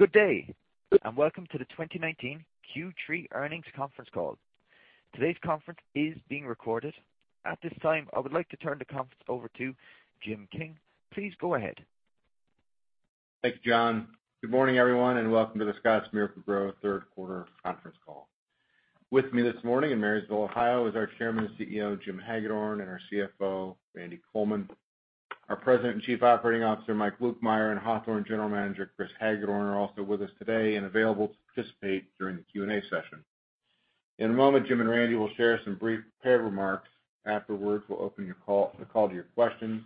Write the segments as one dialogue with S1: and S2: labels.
S1: Good day, welcome to the 2019 Q3 Earnings Conference Call. Today's conference is being recorded. At this time, I would like to turn the conference over to Jim King. Please go ahead.
S2: Thank you, John. Good morning, everyone, and welcome to the Scotts Miracle-Gro third quarter conference call. With me this morning in Marysville, Ohio is our Chairman and CEO, Jim Hagedorn, and our CFO, Randy Coleman. Our President and Chief Operating Officer, Mike Lukemire, and Hawthorne General Manager, Chris Hagedorn, are also with us today and available to participate during the Q&A session. In a moment, Jim and Randy will share some brief prepared remarks. Afterwards, we'll open the call to your questions.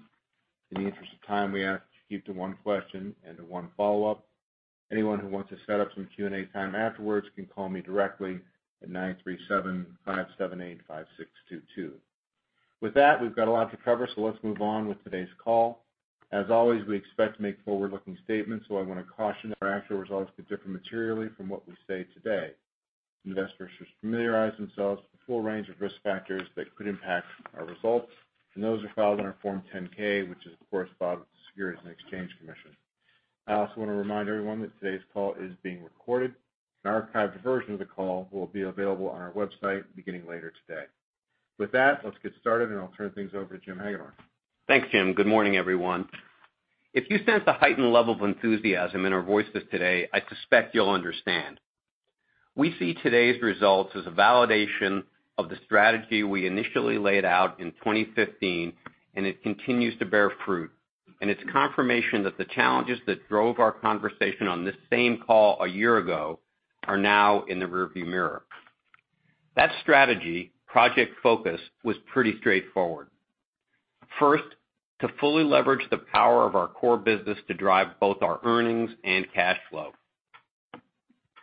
S2: In the interest of time, we ask that you keep to one question and to one follow-up. Anyone who wants to set up some Q&A time afterwards can call me directly at 937-578-5622. With that, we've got a lot to cover, so let's move on with today's call. As always, we expect to make forward-looking statements, so I want to caution that our actual results could differ materially from what we say today. Investors should familiarize themselves with the full range of risk factors that could impact our results. Those are filed in our Form 10-K, which is, of course, filed with the Securities and Exchange Commission. I also want to remind everyone that today's call is being recorded. An archived version of the call will be available on our website beginning later today. With that, let's get started, and I'll turn things over to Jim Hagedorn.
S3: Thanks, Jim. Good morning, everyone. If you sense the heightened level of enthusiasm in our voices today, I suspect you'll understand. We see today's results as a validation of the strategy we initially laid out in 2015, and it continues to bear fruit. It's confirmation that the challenges that drove our conversation on this same call a year ago are now in the rear view mirror. That strategy, Project Focus, was pretty straightforward. First, to fully leverage the power of our core business to drive both our earnings and cash flow.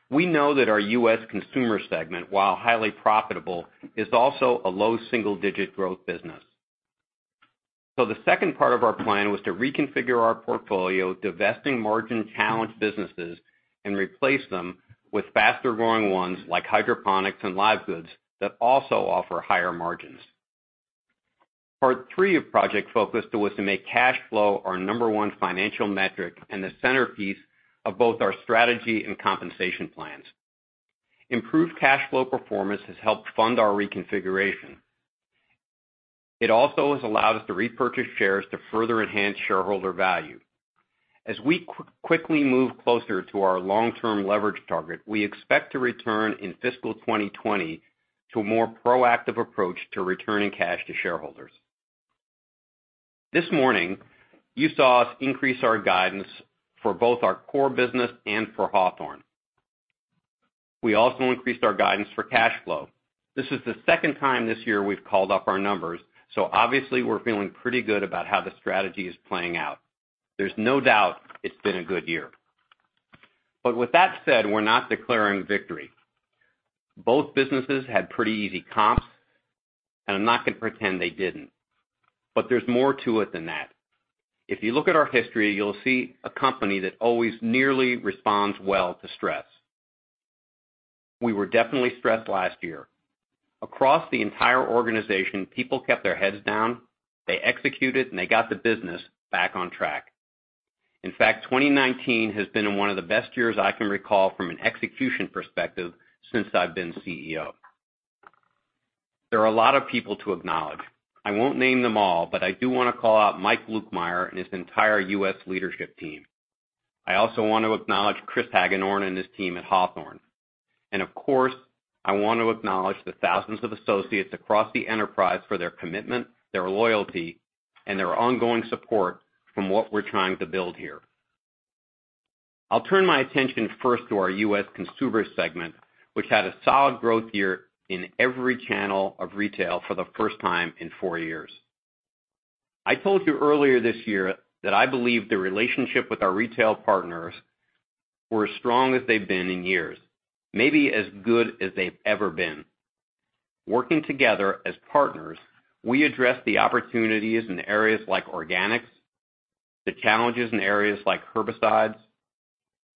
S3: We know that our U.S. consumer segment, while highly profitable, is also a low single-digit growth business. The second part of our plan was to reconfigure our portfolio, divesting margin-challenged businesses and replace them with faster-growing ones like hydroponics and live goods that also offer higher margins. Part three of Project Focus was to make cash flow our number one financial metric and the centerpiece of both our strategy and compensation plans. Improved cash flow performance has helped fund our reconfiguration. It also has allowed us to repurchase shares to further enhance shareholder value. As we quickly move closer to our long-term leverage target, we expect to return in fiscal 2020 to a more proactive approach to returning cash to shareholders. This morning, you saw us increase our guidance for both our core business and for Hawthorne. We also increased our guidance for cash flow. This is the second time this year we've called up our numbers, obviously, we're feeling pretty good about how the strategy is playing out. There's no doubt it's been a good year. With that said, we're not declaring victory. Both businesses had pretty easy comps, and I'm not going to pretend they didn't. There's more to it than that. If you look at our history, you'll see a company that always nearly responds well to stress. We were definitely stressed last year. Across the entire organization, people kept their heads down, they executed, and they got the business back on track. In fact, 2019 has been one of the best years I can recall from an execution perspective since I've been CEO. There are a lot of people to acknowledge. I won't name them all, but I do want to call out Mike Lukemire and his entire U.S. leadership team. I also want to acknowledge Chris Hagedorn and his team at Hawthorne. Of course, I want to acknowledge the thousands of associates across the enterprise for their commitment, their loyalty, and their ongoing support from what we're trying to build here. I'll turn my attention first to our U.S. consumer segment, which had a solid growth year in every channel of retail for the first time in four years. I told you earlier this year that I believe the relationship with our retail partners were as strong as they've been in years, maybe as good as they've ever been. Working together as partners, we address the opportunities in areas like organics, the challenges in areas like herbicides,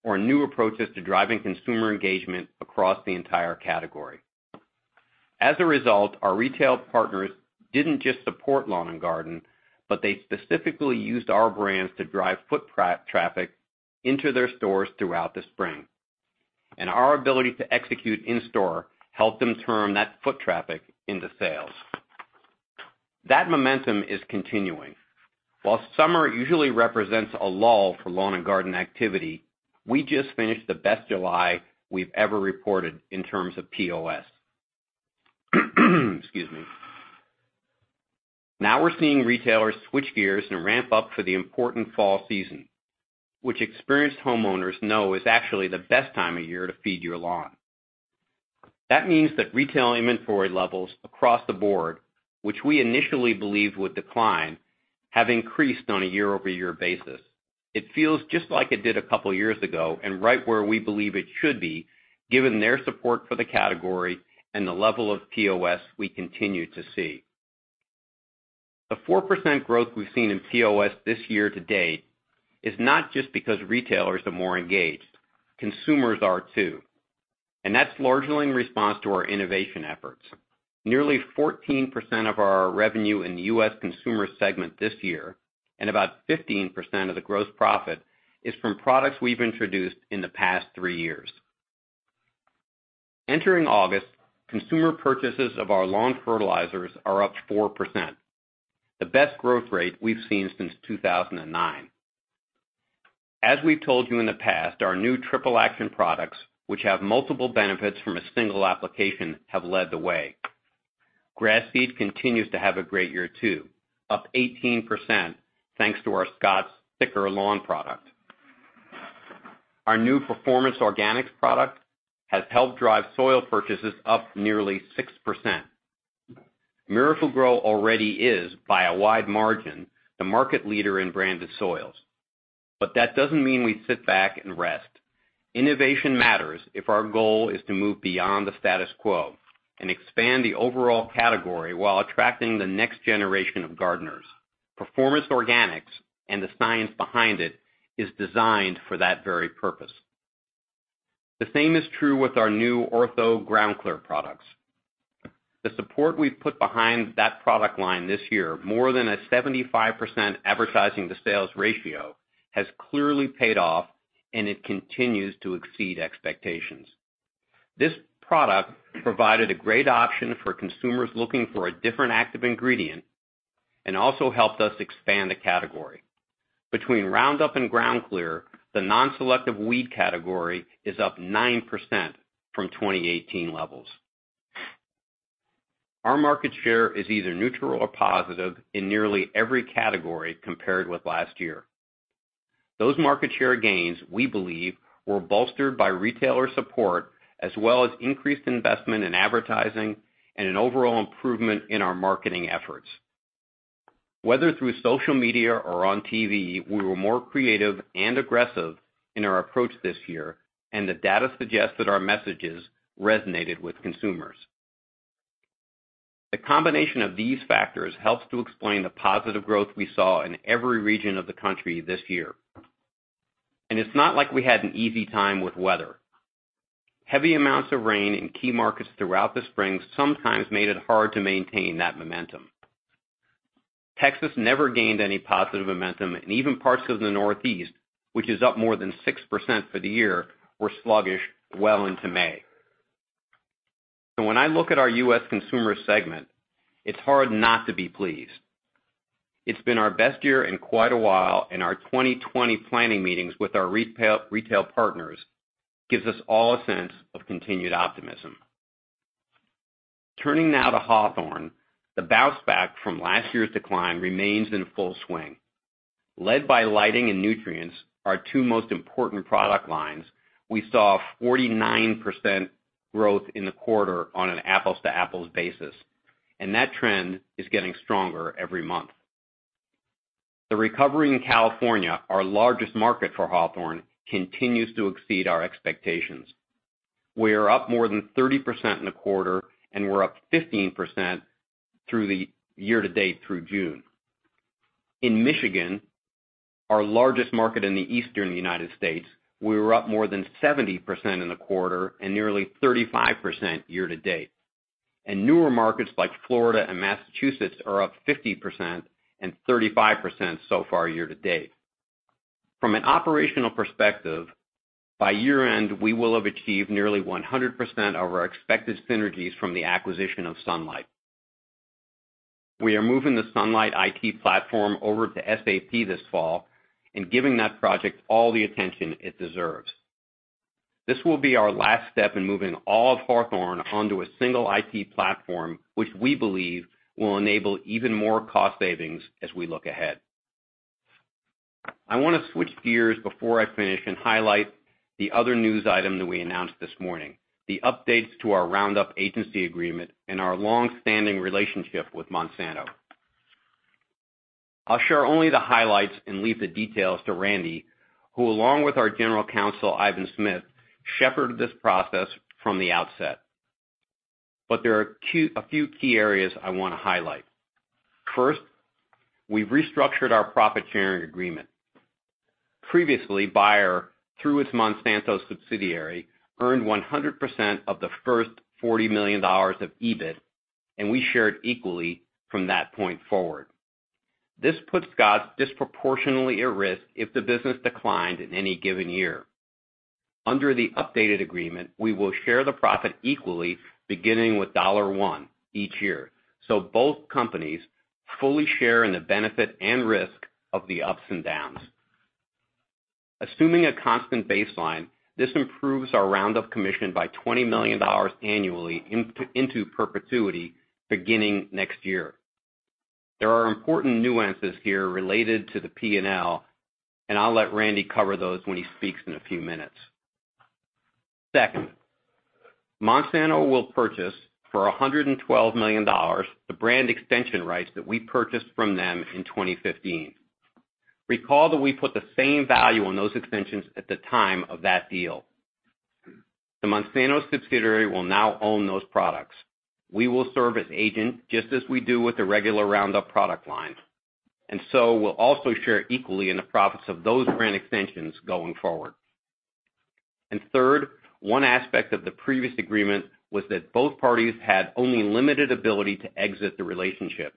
S3: or new approaches to driving consumer engagement across the entire category. As a result, our retail partners didn't just support lawn and garden, but they specifically used our brands to drive foot traffic into their stores throughout the spring. Our ability to execute in store helped them turn that foot traffic into sales. That momentum is continuing. While summer usually represents a lull for lawn and garden activity, we just finished the best July we've ever reported in terms of POS. Excuse me. We're seeing retailers switch gears and ramp up for the important fall season, which experienced homeowners know is actually the best time of year to feed your lawn. Retail inventory levels across the board, which we initially believed would decline, have increased on a year-over-year basis. It feels just like it did a couple years ago and right where we believe it should be, given their support for the category and the level of POS we continue to see. The 4% growth we've seen in POS this year to date is not just because retailers are more engaged. Consumers are too. That's largely in response to our innovation efforts. Nearly 14% of our revenue in the U.S. consumer segment this year, and about 15% of the gross profit, is from products we've introduced in the past three years. Entering August, consumer purchases of our lawn fertilizers are up 4%, the best growth rate we've seen since 2009. As we've told you in the past, our new Triple Action products, which have multiple benefits from a single application, have led the way. Grass seed continues to have a great year too, up 18%, thanks to our Scotts Thick'R Lawn product. Our new Performance Organics product has helped drive soil purchases up nearly 6%. Miracle-Gro already is, by a wide margin, the market leader in branded soils. That doesn't mean we sit back and rest. Innovation matters if our goal is to move beyond the status quo and expand the overall category while attracting the next generation of gardeners. Performance Organics and the science behind it is designed for that very purpose. The same is true with our new Ortho GroundClear products. The support we've put behind that product line this year, more than a 75% advertising to sales ratio, has clearly paid off, and it continues to exceed expectations. This product provided a great option for consumers looking for a different active ingredient and also helped us expand the category. Between Roundup and GroundClear, the non-selective weed category is up 9% from 2018 levels. Our market share is either neutral or positive in nearly every category compared with last year. Those market share gains, we believe, were bolstered by retailer support as well as increased investment in advertising and an overall improvement in our marketing efforts. Whether through social media or on TV, we were more creative and aggressive in our approach this year, and the data suggests that our messages resonated with consumers. The combination of these factors helps to explain the positive growth we saw in every region of the country this year. It's not like we had an easy time with weather. Heavy amounts of rain in key markets throughout the spring sometimes made it hard to maintain that momentum. Texas never gained any positive momentum, and even parts of the Northeast, which is up more than 6% for the year, were sluggish well into May. When I look at our U.S. Consumer Segment, it's hard not to be pleased. It's been our best year in quite a while, and our 2020 planning meetings with our retail partners gives us all a sense of continued optimism. Turning now to Hawthorne, the bounce back from last year's decline remains in full swing. Led by lighting and nutrients, our two most important product lines, we saw 49% growth in the quarter on an apples-to-apples basis, and that trend is getting stronger every month. The recovery in California, our largest market for Hawthorne, continues to exceed our expectations. We are up more than 30% in the quarter, and we're up 15% year to date through June. In Michigan, our largest market in the Eastern U.S., we were up more than 70% in the quarter and nearly 35% year to date. Newer markets like Florida and Massachusetts are up 50% and 35% so far year to date. From an operational perspective, by year end, we will have achieved nearly 100% of our expected synergies from the acquisition of Sunlight. We are moving the Sunlight IT platform over to SAP this fall and giving that project all the attention it deserves. This will be our last step in moving all of Hawthorne onto a single IT platform, which we believe will enable even more cost savings as we look ahead. I want to switch gears before I finish and highlight the other news item that we announced this morning, the updates to our Roundup agency agreement and our longstanding relationship with Monsanto. I'll share only the highlights and leave the details to Randy, who along with our general counsel, Ivan Smith, shepherded this process from the outset. There are a few key areas I want to highlight. First, we've restructured our profit-sharing agreement. Previously, Bayer, through its Monsanto subsidiary, earned 100% of the first $40 million of EBIT, and we shared equally from that point forward. This puts Scotts disproportionately at risk if the business declined in any given year. Under the updated agreement, we will share the profit equally, beginning with dollar one each year. Both companies fully share in the benefit and risk of the ups and downs. Assuming a constant baseline, this improves our Roundup commission by $20 million annually into perpetuity beginning next year. There are important nuances here related to the P&L, and I'll let Randy cover those when he speaks in a few minutes. Second, Monsanto will purchase, for $112 million, the brand extension rights that we purchased from them in 2015. Recall that we put the same value on those extensions at the time of that deal. The Monsanto subsidiary will now own those products. We will serve as agent, just as we do with the regular Roundup product line. We'll also share equally in the profits of those brand extensions going forward. Third, one aspect of the previous agreement was that both parties had only limited ability to exit the relationship.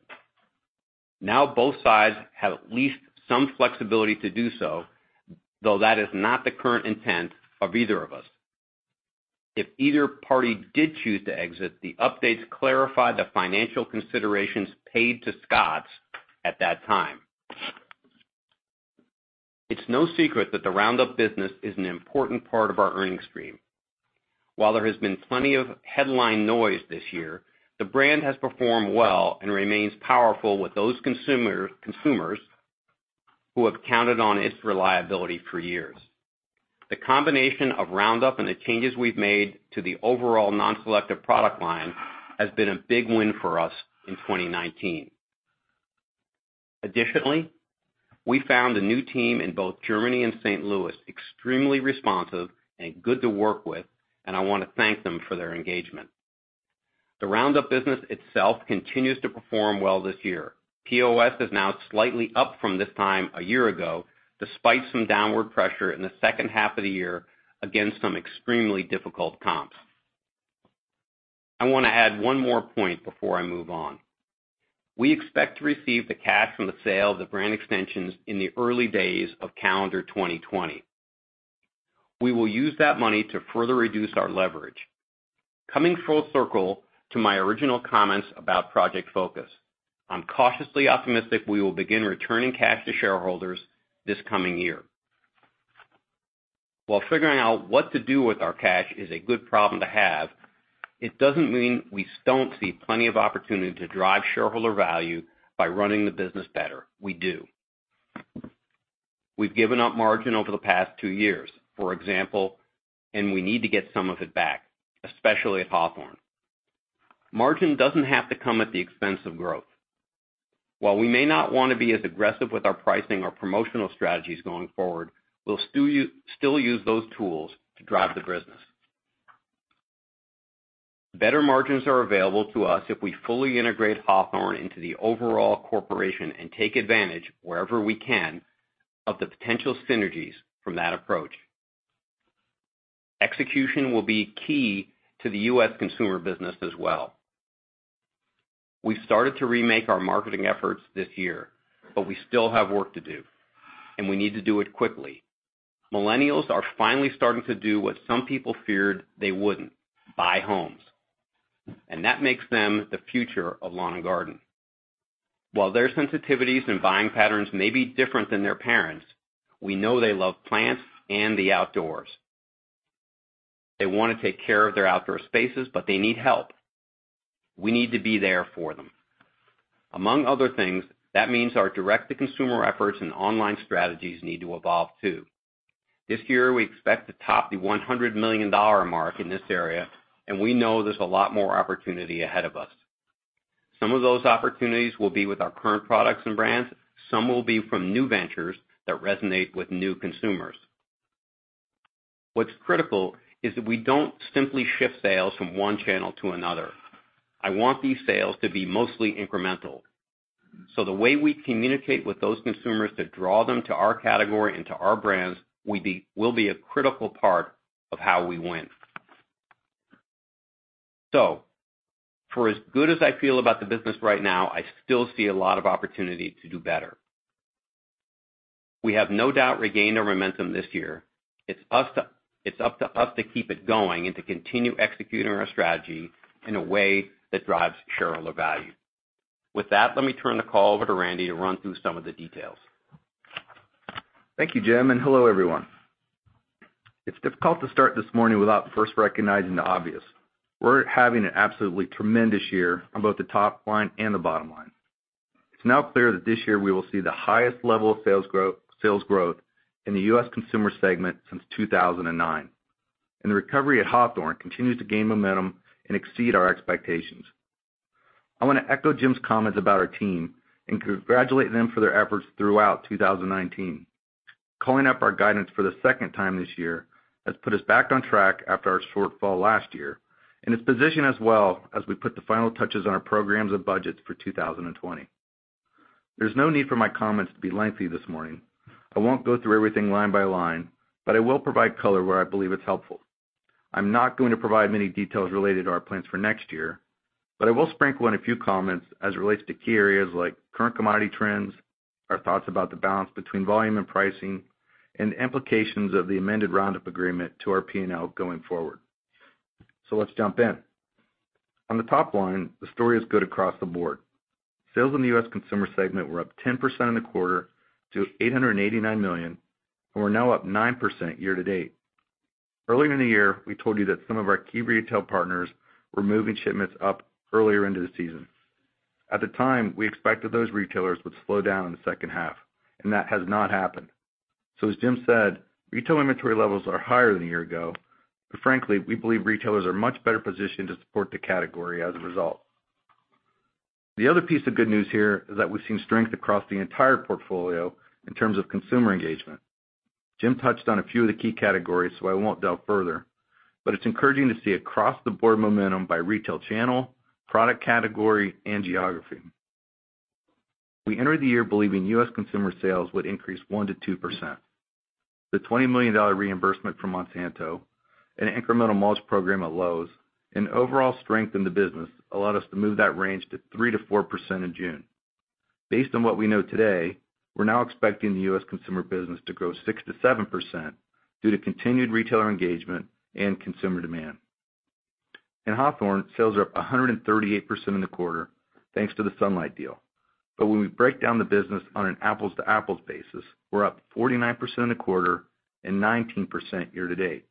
S3: Now both sides have at least some flexibility to do so, though that is not the current intent of either of us. If either party did choose to exit, the updates clarified the financial considerations paid to Scotts at that time. It's no secret that the Roundup business is an important part of our earnings stream. While there has been plenty of headline noise this year, the brand has performed well and remains powerful with those consumers who have counted on its reliability for years. The combination of Roundup and the changes we've made to the overall non-selective product line has been a big win for us in 2019. We found the new team in both Germany and St. Louis extremely responsive and good to work with, and I want to thank them for their engagement. The Roundup business itself continues to perform well this year. POS is now slightly up from this time a year ago, despite some downward pressure in the second half of the year against some extremely difficult comps. I want to add one more point before I move on. We expect to receive the cash from the sale of the brand extensions in the early days of calendar 2020. We will use that money to further reduce our leverage. Coming full circle to my original comments about Project Focus, I'm cautiously optimistic we will begin returning cash to shareholders this coming year. While figuring out what to do with our cash is a good problem to have, it doesn't mean we don't see plenty of opportunity to drive shareholder value by running the business better. We do. We've given up margin over the past two years, for example, and we need to get some of it back, especially at Hawthorne. Margin doesn't have to come at the expense of growth. While we may not want to be as aggressive with our pricing or promotional strategies going forward, we'll still use those tools to drive the business. Better margins are available to us if we fully integrate Hawthorne into the overall corporation and take advantage, wherever we can, of the potential synergies from that approach. Execution will be key to the U.S. consumer business as well. We started to remake our marketing efforts this year, but we still have work to do, and we need to do it quickly. Millennials are finally starting to do what some people feared they wouldn't: buy homes. That makes them the future of lawn and garden. While their sensitivities and buying patterns may be different than their parents, we know they love plants and the outdoors. They want to take care of their outdoor spaces, but they need help. We need to be there for them. Among other things, that means our direct-to-consumer efforts and online strategies need to evolve, too. This year, we expect to top the $100 million mark in this area, and we know there's a lot more opportunity ahead of us. Some of those opportunities will be with our current products and brands. Some will be from new ventures that resonate with new consumers. What's critical is that we don't simply shift sales from one channel to another. I want these sales to be mostly incremental. The way we communicate with those consumers to draw them to our category and to our brands will be a critical part of how we win. For as good as I feel about the business right now, I still see a lot of opportunity to do better. We have no doubt regained our momentum this year. It's up to us to keep it going and to continue executing our strategy in a way that drives shareholder value. With that, let me turn the call over to Randy to run through some of the details.
S4: Thank you, Jim, and hello, everyone. It's difficult to start this morning without first recognizing the obvious. We're having an absolutely tremendous year on both the top line and the bottom line. It's now clear that this year we will see the highest level of sales growth in the US consumer segment since 2009. The recovery at Hawthorne continues to gain momentum and exceed our expectations. I want to echo Jim's comments about our team and congratulate them for their efforts throughout 2019. Calling up our guidance for the second time this year has put us back on track after our shortfall last year, and it's positioned us well as we put the final touches on our programs and budgets for 2020. There's no need for my comments to be lengthy this morning. I won't go through everything line by line, but I will provide color where I believe it's helpful. I'm not going to provide many details related to our plans for next year, but I will sprinkle in a few comments as it relates to key areas like current commodity trends, our thoughts about the balance between volume and pricing, and the implications of the amended Roundup agreement to our P&L going forward. Let's jump in. On the top line, the story is good across the board. Sales in the U.S. consumer segment were up 10% in the quarter to $889 million, and we're now up 9% year-to-date. Earlier in the year, we told you that some of our key retail partners were moving shipments up earlier into the season. At the time, we expected those retailers would slow down in the second half, and that has not happened. As Jim said, retail inventory levels are higher than a year ago, but frankly, we believe retailers are much better positioned to support the category as a result. The other piece of good news here is that we've seen strength across the entire portfolio in terms of consumer engagement. Jim touched on a few of the key categories, so I won't delve further. It's encouraging to see across the board momentum by retail channel, product category, and geography. We entered the year believing U.S. consumer sales would increase 1%-2%. The $20 million reimbursement from Monsanto, an incremental mulch program at Lowe's, and overall strength in the business allowed us to move that range to 3%-4% in June. Based on what we know today, we're now expecting the U.S. consumer business to grow 6%-7% due to continued retailer engagement and consumer demand. In Hawthorne, sales are up 138% in the quarter, thanks to the Sunlight deal. When we break down the business on an apples-to-apples basis, we're up 49% in the quarter and 19% year-to-date.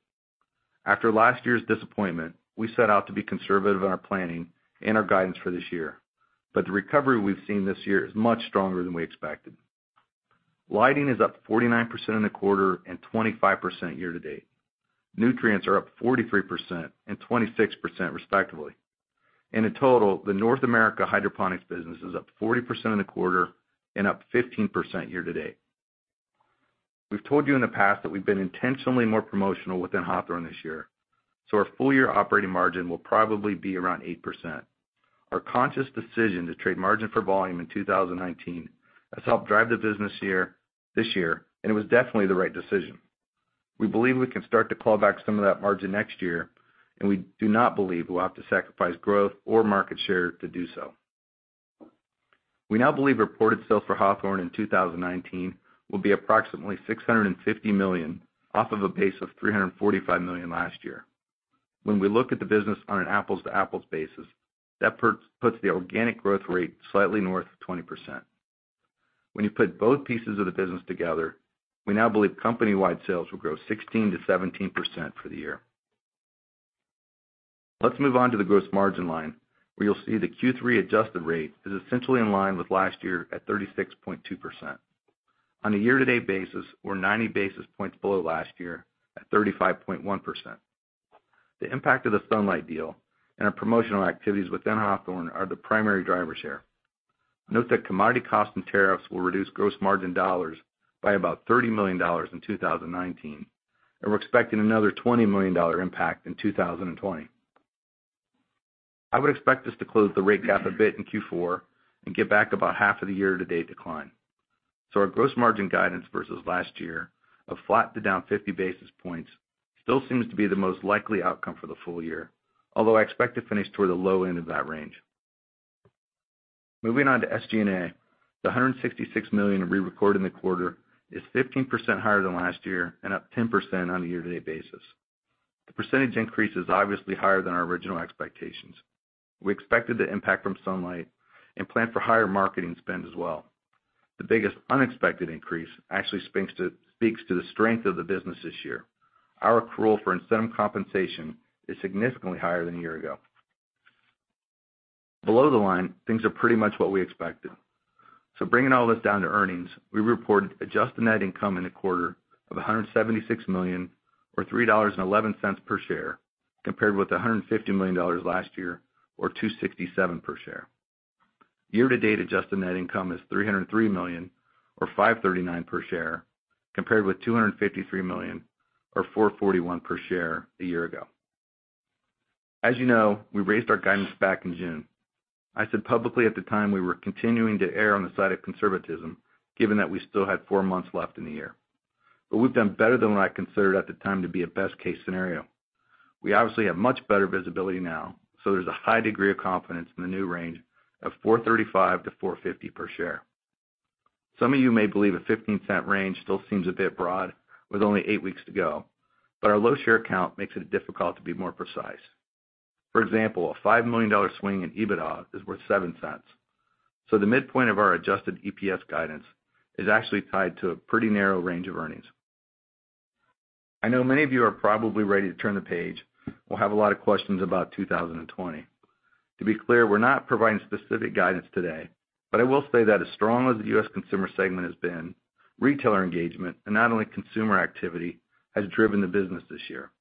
S4: After last year's disappointment, we set out to be conservative in our planning and our guidance for this year. The recovery we've seen this year is much stronger than we expected. Lighting is up 49% in the quarter and 25% year-to-date. Nutrients are up 43% and 26% respectively. In total, the North America Hydroponics business is up 40% in the quarter and up 15% year-to-date. We've told you in the past that we've been intentionally more promotional within Hawthorne this year, so our full-year operating margin will probably be around 8%. Our conscious decision to trade margin for volume in 2019 has helped drive the business this year, and it was definitely the right decision. We believe we can start to claw back some of that margin next year, and we do not believe we'll have to sacrifice growth or market share to do so. We now believe reported sales for Hawthorne in 2019 will be approximately $650 million off of a base of $345 million last year. When we look at the business on an apples-to-apples basis, that puts the organic growth rate slightly north of 20%. When you put both pieces of the business together, we now believe company-wide sales will grow 16%-17% for the year. Let's move on to the gross margin line, where you'll see the Q3 adjusted rate is essentially in line with last year at 36.2%. On a year-to-date basis, we're 90 basis points below last year at 35.1%. The impact of the Sunlight deal and our promotional activities within Hawthorne are the primary drivers here. Note that commodity costs and tariffs will reduce gross margin dollars by about $30 million in 2019, and we're expecting another $20 million impact in 2020. I would expect us to close the rate gap a bit in Q4 and get back about half of the year-to-date decline. Our gross margin guidance versus last year of flat to down 50 basis points still seems to be the most likely outcome for the full year, although I expect to finish toward the low end of that range. Moving on to SG&A, the $166 million we recorded in the quarter is 15% higher than last year and up 10% on a year-to-date basis. The percentage increase is obviously higher than our original expectations. We expected the impact from Sunlight and planned for higher marketing spend as well. The biggest unexpected increase actually speaks to the strength of the business this year. Our accrual for incentive compensation is significantly higher than a year ago. Below the line, things are pretty much what we expected. Bringing all this down to earnings, we reported adjusted net income in the quarter of $176 million or $3.11 per share, compared with $150 million last year or $2.67 per share. Year-to-date adjusted net income is $303 million or $5.39 per share, compared with $253 million or $4.41 per share a year ago. As you know, we raised our guidance back in June. I said publicly at the time we were continuing to err on the side of conservatism, given that we still had four months left in the year. We've done better than what I considered at the time to be a best-case scenario. We obviously have much better visibility now, there's a high degree of confidence in the new range of $4.35 to $4.50 per share. Some of you may believe a $0.15 range still seems a bit broad with only eight weeks to go, our low share count makes it difficult to be more precise. For example, a $5 million swing in EBITDA is worth $0.07. The midpoint of our adjusted EPS guidance is actually tied to a pretty narrow range of earnings. I know many of you are probably ready to turn the page or have a lot of questions about 2020. To be clear, we're not providing specific guidance today, but I will say that as strong as the US consumer segment has been, retailer engagement and not only consumer activity has driven the business this year.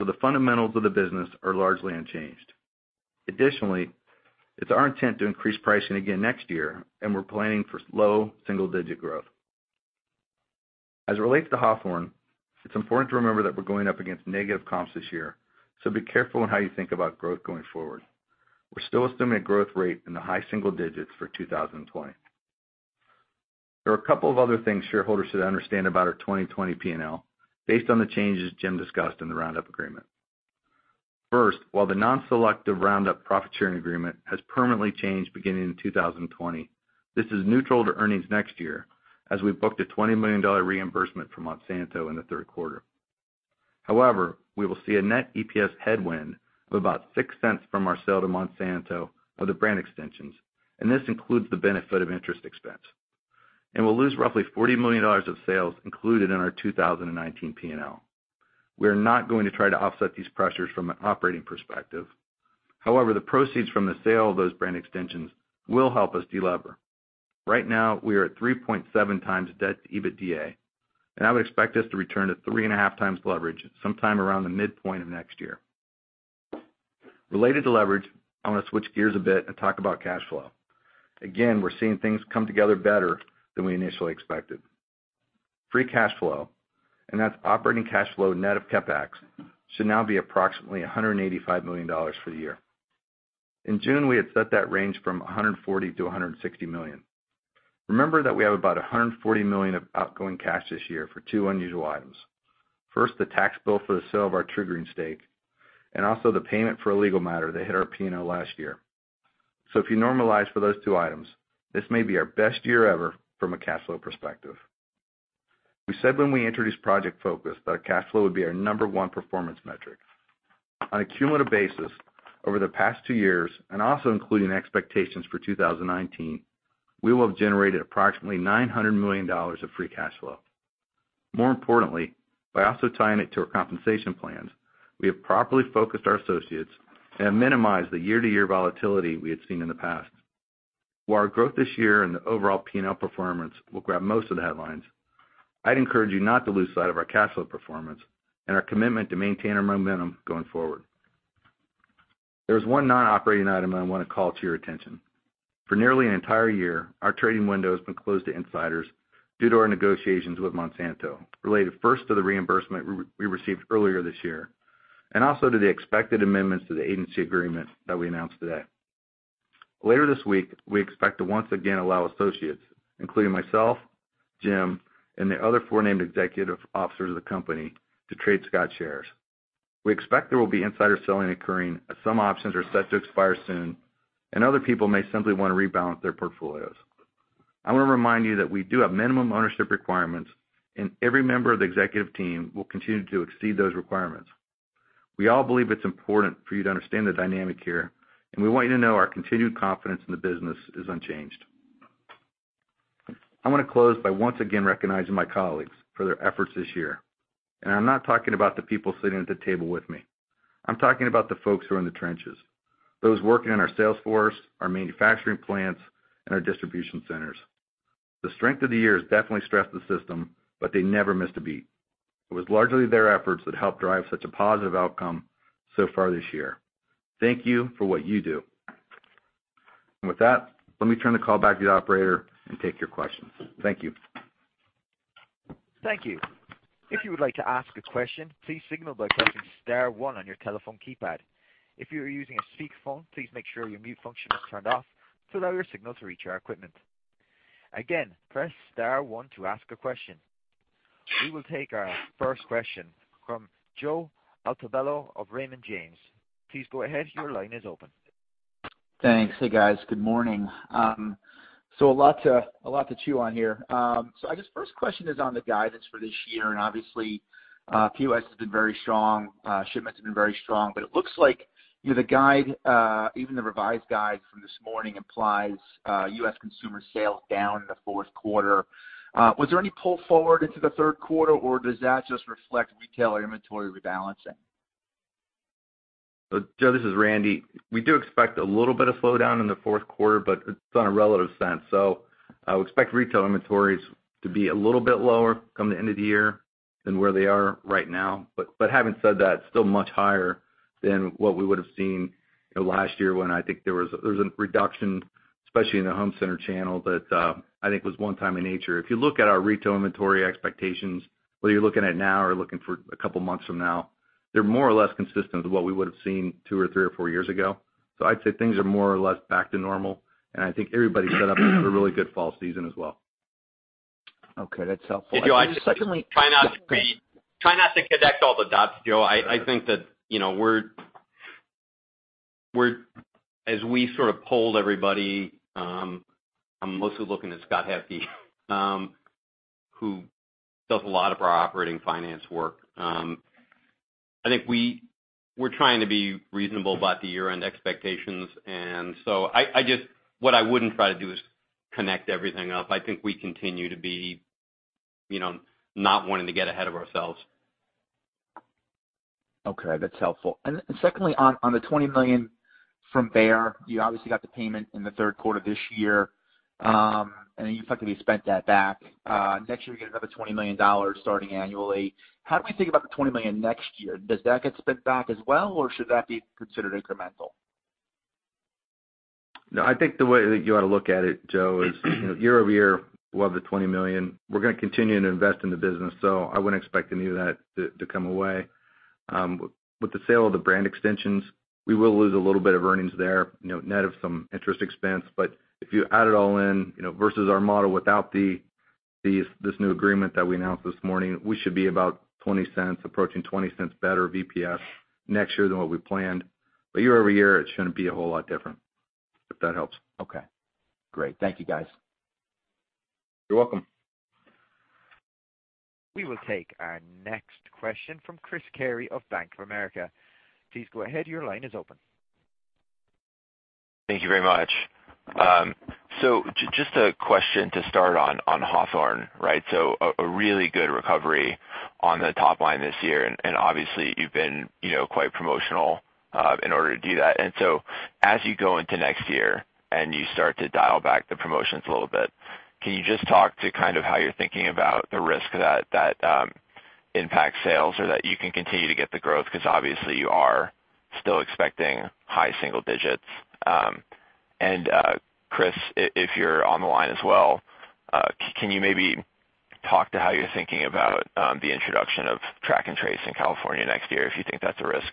S4: The fundamentals of the business are largely unchanged. Additionally, it's our intent to increase pricing again next year, and we're planning for low single-digit growth. As it relates to Hawthorne, it's important to remember that we're going up against negative comps this year, so be careful in how you think about growth going forward. We still assume a growth rate in the high single digits for 2020. There are a couple of other things shareholders should understand about our 2020 P&L based on the changes Jim discussed in the Roundup agreement. First, while the non-selective Roundup profit sharing agreement has permanently changed beginning in 2020, this is neutral to earnings next year as we booked a $20 million reimbursement from Monsanto in the third quarter. We will see a net EPS headwind of about $0.06 from our sale to Monsanto of the brand extensions, and this includes the benefit of interest expense. We'll lose roughly $40 million of sales included in our 2019 P&L. We are not going to try to offset these pressures from an operating perspective. The proceeds from the sale of those brand extensions will help us delever. Right now, we are at 3.7x debt to EBITDA, and I would expect us to return to 3.5x leverage sometime around the midpoint of next year. Related to leverage, I want to switch gears a bit and talk about cash flow. We're seeing things come together better than we initially expected. Free cash flow, and that's operating cash flow net of CapEx, should now be approximately $185 million for the year. In June, we had set that range from $140 million-$160 million. Remember that we have about $140 million of outgoing cash this year for two unusual items. First, the tax bill for the sale of our TruGreen stake, and also the payment for a legal matter that hit our P&L last year. If you normalize for those two items, this may be our best year ever from a cash flow perspective. We said when we introduced Project Focus that our cash flow would be our number 1 performance metric. On a cumulative basis over the past two years, and also including expectations for 2019, we will have generated approximately $900 million of free cash flow. More importantly, by also tying it to our compensation plans, we have properly focused our associates and minimized the year-to-year volatility we had seen in the past. While our growth this year and the overall P&L performance will grab most of the headlines, I'd encourage you not to lose sight of our cash flow performance and our commitment to maintain our momentum going forward. There is one non-operating item I want to call to your attention. For nearly an entire year, our trading window has been closed to insiders due to our negotiations with Monsanto, related first to the reimbursement we received earlier this year, and also to the expected amendments to the agency agreement that we announced today. Later this week, we expect to once again allow associates, including myself, Jim, and the other four named Executive Officers of the company to trade Scotts shares. We expect there will be insider selling occurring as some options are set to expire soon, and other people may simply want to rebalance their portfolios. I want to remind you that we do have minimum ownership requirements, and every member of the executive team will continue to exceed those requirements. We all believe it's important for you to understand the dynamic here, and we want you to know our continued confidence in the business is unchanged. I want to close by once again recognizing my colleagues for their efforts this year, and I'm not talking about the people sitting at the table with me. I'm talking about the folks who are in the trenches, those working in our sales force, our manufacturing plants, and our distribution centers. The strength of the year has definitely stressed the system, but they never missed a beat. It was largely their efforts that helped drive such a positive outcome so far this year. Thank you for what you do. With that, let me turn the call back to the operator and take your questions. Thank you.
S1: Thank you. If you would like to ask a question, please signal by pressing star one on your telephone keypad. If you are using a speakerphone, please make sure your mute function is turned off to allow your signal to reach our equipment. Again, press star one to ask a question. We will take our first question from Joe Altobello of Raymond James. Please go ahead. Your line is open.
S5: Thanks. Hey, guys. Good morning. A lot to chew on here. I guess first question is on the guidance for this year, and obviously, U.S. has been very strong, shipments have been very strong, but it looks like even the revised guide from this morning implies U.S. consumer sales down in the fourth quarter. Was there any pull forward into the third quarter, or does that just reflect retailer inventory rebalancing?
S4: Joe, this is Randy. We do expect a little bit of slowdown in the fourth quarter. It's on a relative sense. We expect retail inventories to be a little bit lower come the end of the year than where they are right now. Having said that, still much higher than what we would have seen last year when I think there was a reduction, especially in the home center channel, that I think was one-time in nature. If you look at our retail inventory expectations, whether you're looking at now or looking for a couple of months from now, they're more or less consistent with what we would have seen two or three or four years ago. I'd say things are more or less back to normal, and I think everybody's set up to have a really good fall season as well.
S5: Okay, that's helpful. Secondly.
S3: Hey, Joe, I'd just try not to connect all the dots, Joe. I think that as we sort of polled everybody, I'm mostly looking at Scott Hethcoat, who does a lot of our operating finance work. I think we're trying to be reasonable about the year-end expectations, and so what I wouldn't try to do is connect everything up. I think we continue to be not wanting to get ahead of ourselves.
S5: Okay, that's helpful. Secondly, on the $20 million from Bayer, you obviously got the payment in the third quarter this year, and you effectively spent that back. Next year, you get another $20 million starting annually. How do we think about the $20 million next year? Does that get spent back as well, or should that be considered incremental?
S4: I think the way that you ought to look at it, Joe, is year-over-year, above the $20 million, we're going to continue to invest in the business. I wouldn't expect any of that to come away. With the sale of the brand extensions, we will lose a little bit of earnings there, net of some interest expense. If you add it all in versus our model without this new agreement that we announced this morning, we should be about $0.20, approaching $0.20 better EPS next year than what we planned. Year-over-year, it shouldn't be a whole lot different, if that helps.
S5: Okay. Great. Thank you, guys.
S4: You're welcome.
S1: We will take our next question from Chris Carey of Bank of America. Please go ahead, your line is open.
S6: Thank you very much. Just a question to start on Hawthorne, right? A really good recovery on the top line this year, and obviously you've been quite promotional in order to do that. As you go into next year and you start to dial back the promotions a little bit, can you just talk to kind of how you're thinking about the risk that impact sales or that you can continue to get the growth? Because obviously you are still expecting high single digits. Chris, if you're on the line as well, can you maybe talk to how you're thinking about the introduction of track and trace in California next year, if you think that's a risk?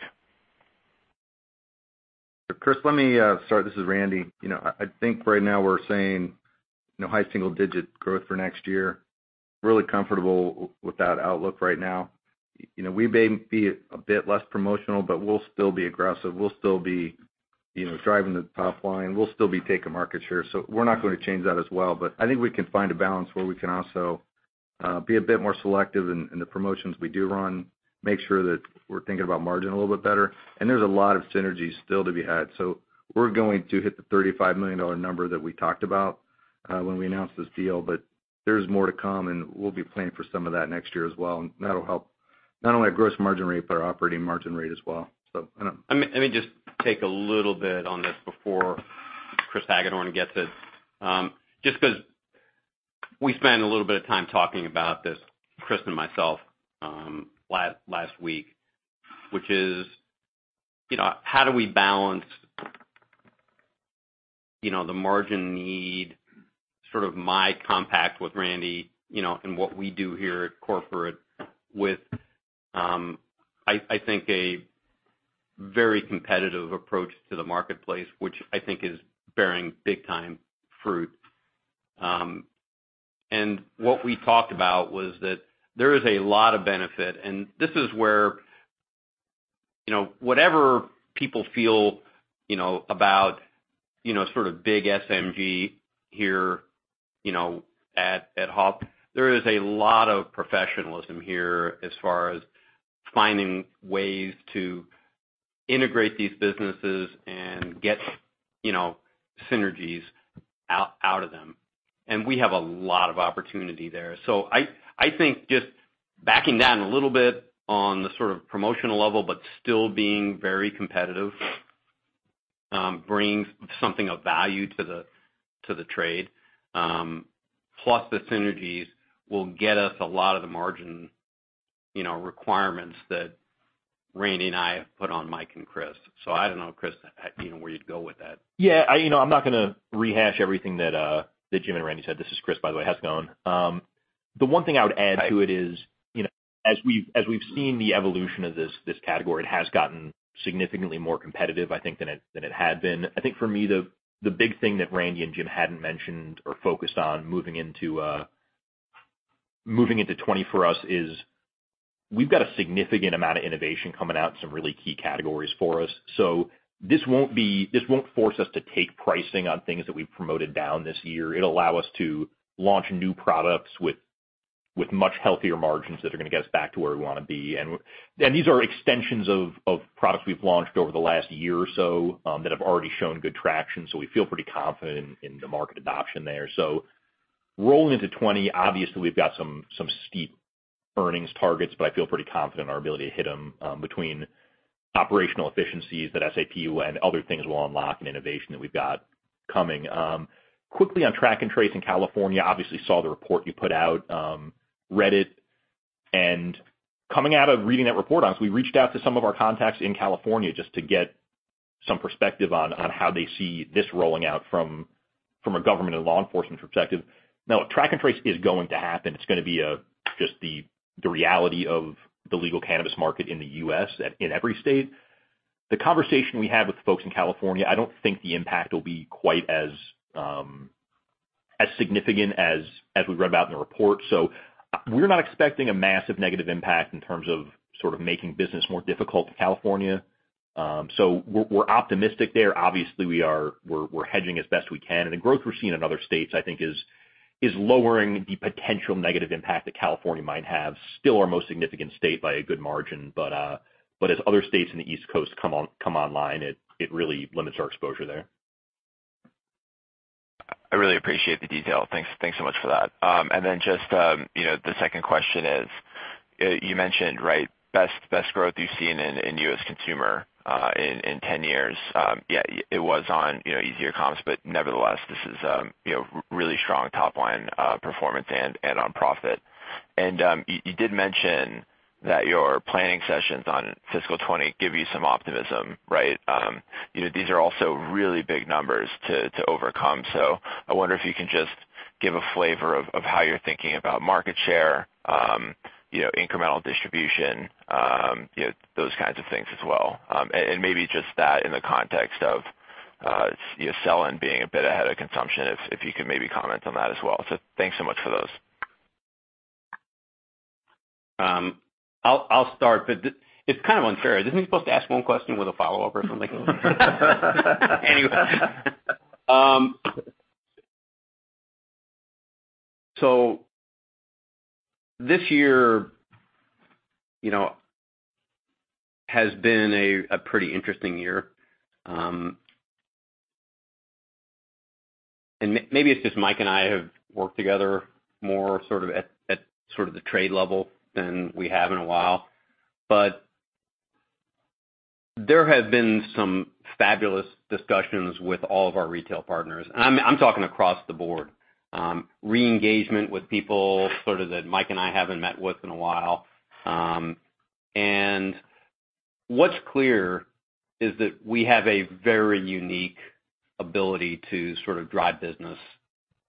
S4: Chris, let me start. This is Randy. I think right now we're saying high single digit growth for next year. Really comfortable with that outlook right now. We may be a bit less promotional. We'll still be aggressive. We'll still be driving the top line. We'll still be taking market share. We're not going to change that as well. I think we can find a balance where we can also be a bit more selective in the promotions we do run, make sure that we're thinking about margin a little bit better, and there's a lot of synergies still to be had. We're going to hit the $35 million number that we talked about when we announced this deal. There's more to come, and we'll be planning for some of that next year as well, and that'll help not only our gross margin rate, but our operating margin rate as well.
S3: Let me just take a little bit on this before Chris Hagedorn gets it. Just because we spent a little bit of time talking about this, Chris and myself, last week, which is, how do we balance the margin need, sort of my compact with Randy, and what we do here at corporate with, I think, a very competitive approach to the marketplace, which I think is bearing big time fruit. What we talked about was that there is a lot of benefit, and this is where, whatever people feel about sort of big SMG here at Hop, there is a lot of professionalism here as far as finding ways to integrate these businesses and get synergies out of them. We have a lot of opportunity there. I think just backing down a little bit on the sort of promotional level, but still being very competitive brings something of value to the trade. Plus the synergies will get us a lot of the margin requirements that Randy and I have put on Mike and Chris. I don't know, Chris, where you'd go with that.
S7: I'm not gonna rehash everything that Jim and Randy said. This is Chris, by the way, Hagedorn. The one thing I would add to it is, as we've seen the evolution of this category, it has gotten significantly more competitive, I think, than it had been. I think for me, the big thing that Randy and Jim hadn't mentioned or focused on moving into 2020 for us is we've got a significant amount of innovation coming out in some really key categories for us. This won't force us to take pricing on things that we've promoted down this year. It'll allow us to launch new products with much healthier margins that are gonna get us back to where we want to be. These are extensions of products we've launched over the last year or so that have already shown good traction, so we feel pretty confident in the market adoption there. Rolling into 2020, obviously, we've got some steep earnings targets, but I feel pretty confident in our ability to hit them between operational efficiencies that SAP and other things will unlock and innovation that we've got coming. Quickly on track and trace in California, obviously saw the report you put out, read it. Coming out of reading that report, honestly, we reached out to some of our contacts in California just to get some perspective on how they see this rolling out from a government and law enforcement perspective. Track and trace is going to happen. It's gonna be just the reality of the legal cannabis market in the U.S. in every state. The conversation we had with the folks in California, I don't think the impact will be quite as significant as we read about in the report. We're not expecting a massive negative impact in terms of sort of making business more difficult in California. We're optimistic there. Obviously, we're hedging as best we can, and the growth we're seeing in other states, I think is lowering the potential negative impact that California might have. Still our most significant state by a good margin, but as other states in the East Coast come online, it really limits our exposure there.
S6: I really appreciate the detail. Thanks so much for that. The second question is, you mentioned best growth you've seen in U.S. consumer in 10 years. It was on easier comps, nevertheless, this is really strong top-line performance and on profit. You did mention that your planning sessions on fiscal 2020 give you some optimism, right? These are also really big numbers to overcome. I wonder if you can just give a flavor of how you're thinking about market share, incremental distribution, those kinds of things as well. Maybe just that in the context of sell-in being a bit ahead of consumption, if you could maybe comment on that as well. Thanks so much for those.
S3: I'll start, but it's kind of unfair. Isn't he supposed to ask one question with a follow-up or something? Anyway. This year has been a pretty interesting year. Maybe it's just Mike and I have worked together more at sort of the trade level than we have in a while, but there have been some fabulous discussions with all of our retail partners, and I'm talking across the board. Re-engagement with people sort of that Mike and I haven't met with in a while. What's clear is that we have a very unique ability to sort of drive business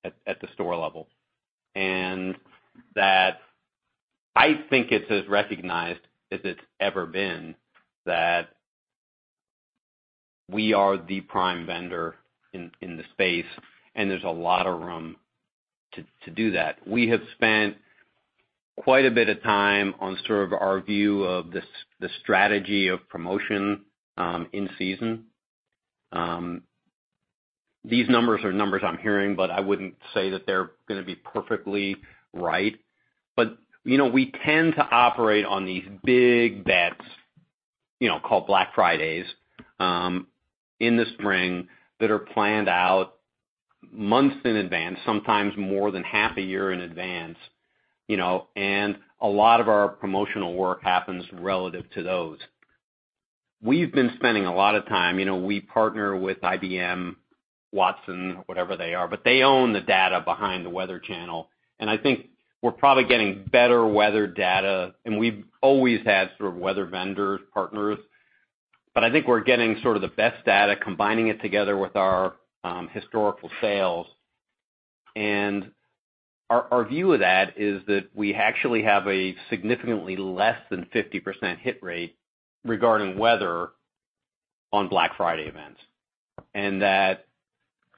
S3: at the store level, and that I think it's as recognized as it's ever been that we are the prime vendor in the space, and there's a lot of room to do that. We have spent quite a bit of time on sort of our view of the strategy of promotion in season. These numbers are numbers I'm hearing, but I wouldn't say that they're going to be perfectly right. We tend to operate on these big bets, called Black Fridays, in the spring that are planned out months in advance, sometimes more than half a year in advance, and a lot of our promotional work happens relative to those. We've been spending a lot of time. We partner with IBM, Watson, whatever they are, but they own the data behind The Weather Channel, and I think we're probably getting better weather data, and we've always had sort of weather vendors, partners. I think we're getting sort of the best data, combining it together with our historical sales. Our view of that is that we actually have a significantly less than 50% hit rate regarding weather on Black Friday events.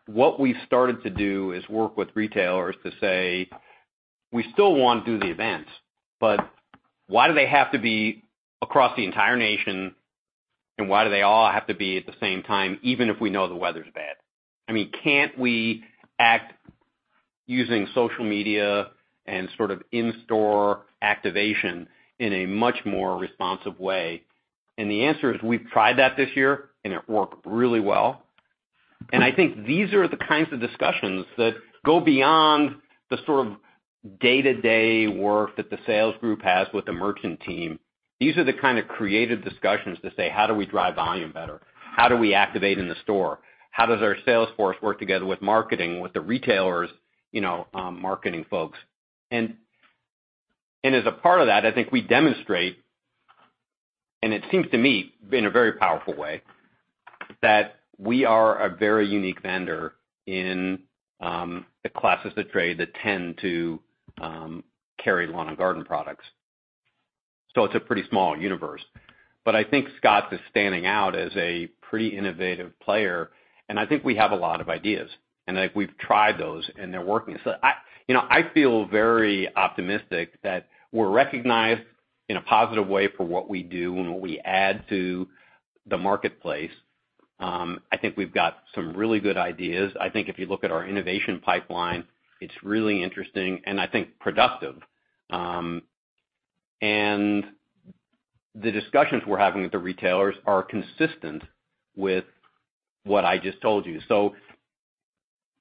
S3: What we've started to do is work with retailers to say, we still want to do the events, but why do they have to be across the entire nation, and why do they all have to be at the same time, even if we know the weather's bad? I mean, can't we act using social media and sort of in-store activation in a much more responsive way? The answer is, we've tried that this year, and it worked really well. I think these are the kinds of discussions that go beyond the sort of day-to-day work that the sales group has with the merchant team. These are the kind of creative discussions to say, how do we drive volume better? How do we activate in the store? How does our sales force work together with marketing, with the retailers' marketing folks? As a part of that, I think we demonstrate, and it seems to me in a very powerful way, that we are a very unique vendor in the classes of trade that tend to carry lawn and garden products. It's a pretty small universe. I think Scotts is standing out as a pretty innovative player, and I think we have a lot of ideas, and I think we've tried those and they're working. I feel very optimistic that we're recognized in a positive way for what we do and what we add to the marketplace. I think we've got some really good ideas. I think if you look at our innovation pipeline, it's really interesting and I think productive. The discussions we're having with the retailers are consistent with what I just told you.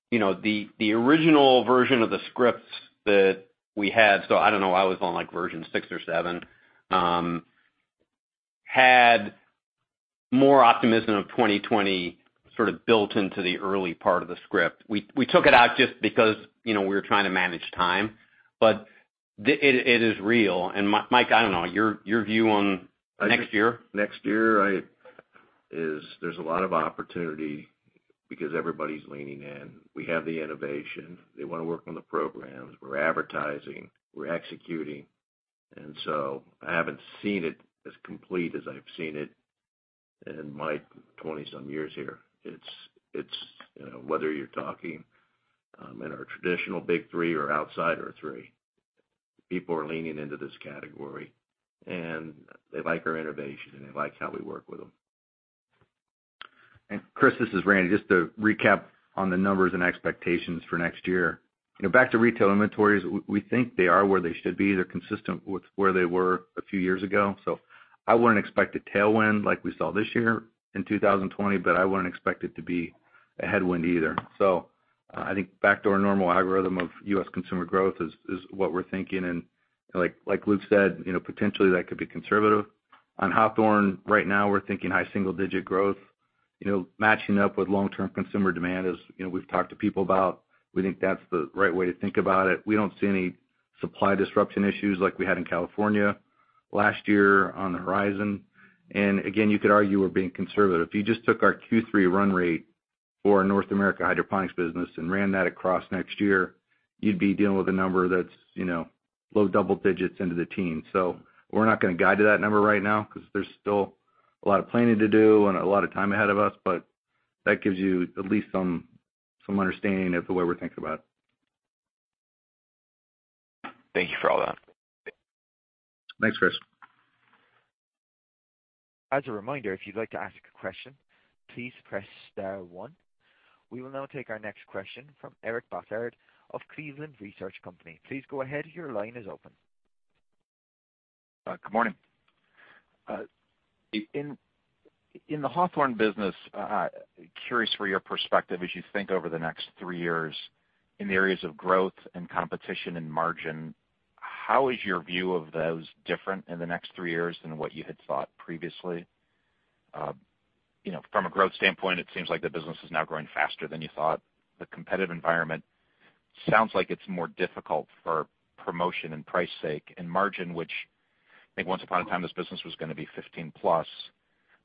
S3: The original version of the scripts that we had, so I don't know, I was on like version six or seven, had more optimism of 2020 sort of built into the early part of the script. We took it out just because we were trying to manage time, but it is real. Mike, I don't know, your view on next year?
S8: Next year, there's a lot of opportunity because everybody's leaning in. We have the innovation. They want to work on the programs. We're advertising, we're executing. I haven't seen it as complete as I've seen it in my 20-some years here. It's whether you're talking in our traditional big three or outsider three, people are leaning into this category, and they like our innovation, and they like how we work with them.
S4: Chris, this is Randy. Just to recap on the numbers and expectations for next year. Back to retail inventories, we think they are where they should be. They're consistent with where they were a few years ago. I wouldn't expect a tailwind like we saw this year in 2020, but I wouldn't expect it to be a headwind either. I think back to our normal algorithm of U.S. consumer growth is what we're thinking, and like Luke said, potentially that could be conservative. On Hawthorne, right now, we're thinking high single-digit growth, matching up with long-term consumer demand, as we've talked to people about. We think that's the right way to think about it. We don't see any supply disruption issues like we had in California last year on the horizon. Again, you could argue we're being conservative. If you just took our Q3 run rate for our North America hydroponics business and ran that across next year, you'd be dealing with a number that's low double digits into the teens. We're not going to guide to that number right now because there's still a lot of planning to do and a lot of time ahead of us, but that gives you at least some understanding of the way we're thinking about it.
S3: Thank you for all that.
S4: Thanks, Chris.
S1: As a reminder, if you'd like to ask a question, please press star one. We will now take our next question from Eric Bosshard of Cleveland Research Company. Please go ahead, your line is open.
S9: Good morning. In the Hawthorne business, curious for your perspective as you think over the next three years in the areas of growth and competition and margin. How is your view of those different in the next three years than what you had thought previously? From a growth standpoint, it seems like the business is now growing faster than you thought. The competitive environment sounds like it's more difficult for promotion and price sake and margin, which I think once upon a time, this business was going to be 15+.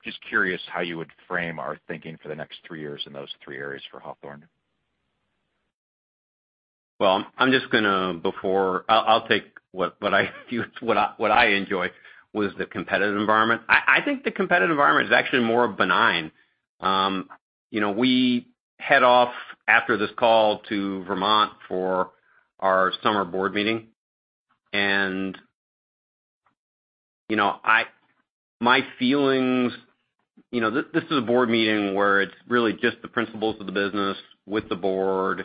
S9: Just curious how you would frame our thinking for the next three years in those three areas for Hawthorne.
S3: Well, I'll take what I enjoy, was the competitive environment. I think the competitive environment is actually more benign. We head off after this call to Vermont for our summer board meeting. This is a board meeting where it's really just the principals of the business with the board.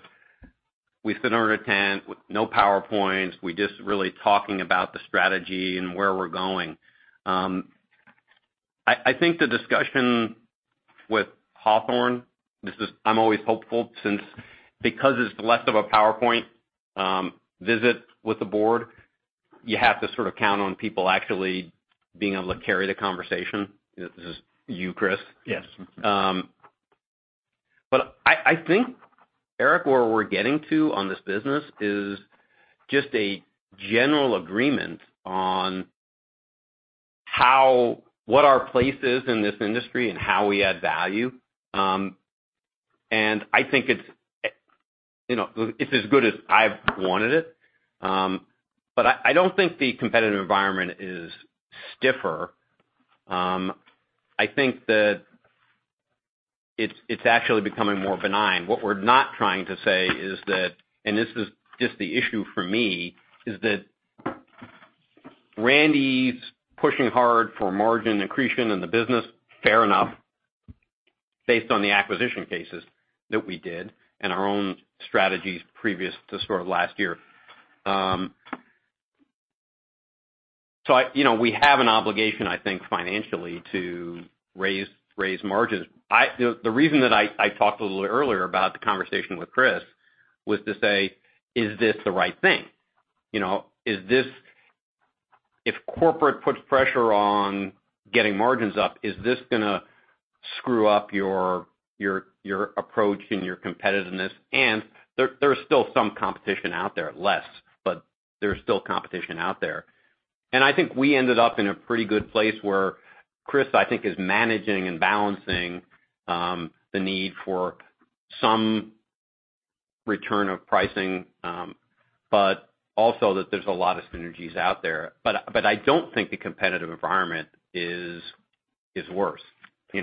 S3: We sit under a tent with no PowerPoints. We're just really talking about the strategy and where we're going. I think the discussion with Hawthorne, I'm always hopeful since, because it's less of a PowerPoint visit with the board, you have to sort of count on people actually being able to carry the conversation. This is you, Chris.
S9: Yes.
S3: I think, Eric, where we're getting to on this business is just a general agreement on what our place is in this industry and how we add value. I think it's as good as I've wanted it. I don't think the competitive environment is stiffer. I think that it's actually becoming more benign. What we're not trying to say is that, and this is just the issue for me, is that Randy's pushing hard for margin accretion in the business. Fair enough, based on the acquisition cases that we did and our own strategies previous to sort of last year. We have an obligation, I think, financially to raise margins. The reason that I talked a little earlier about the conversation with Chris was to say, "Is this the right thing? If corporate puts pressure on getting margins up, is this going to screw up your approach and your competitiveness? There is still some competition out there, less, but there is still competition out there. I think we ended up in a pretty good place where Chris, I think, is managing and balancing the need for some return of pricing. Also that there's a lot of synergies out there. I don't think the competitive environment is worse. I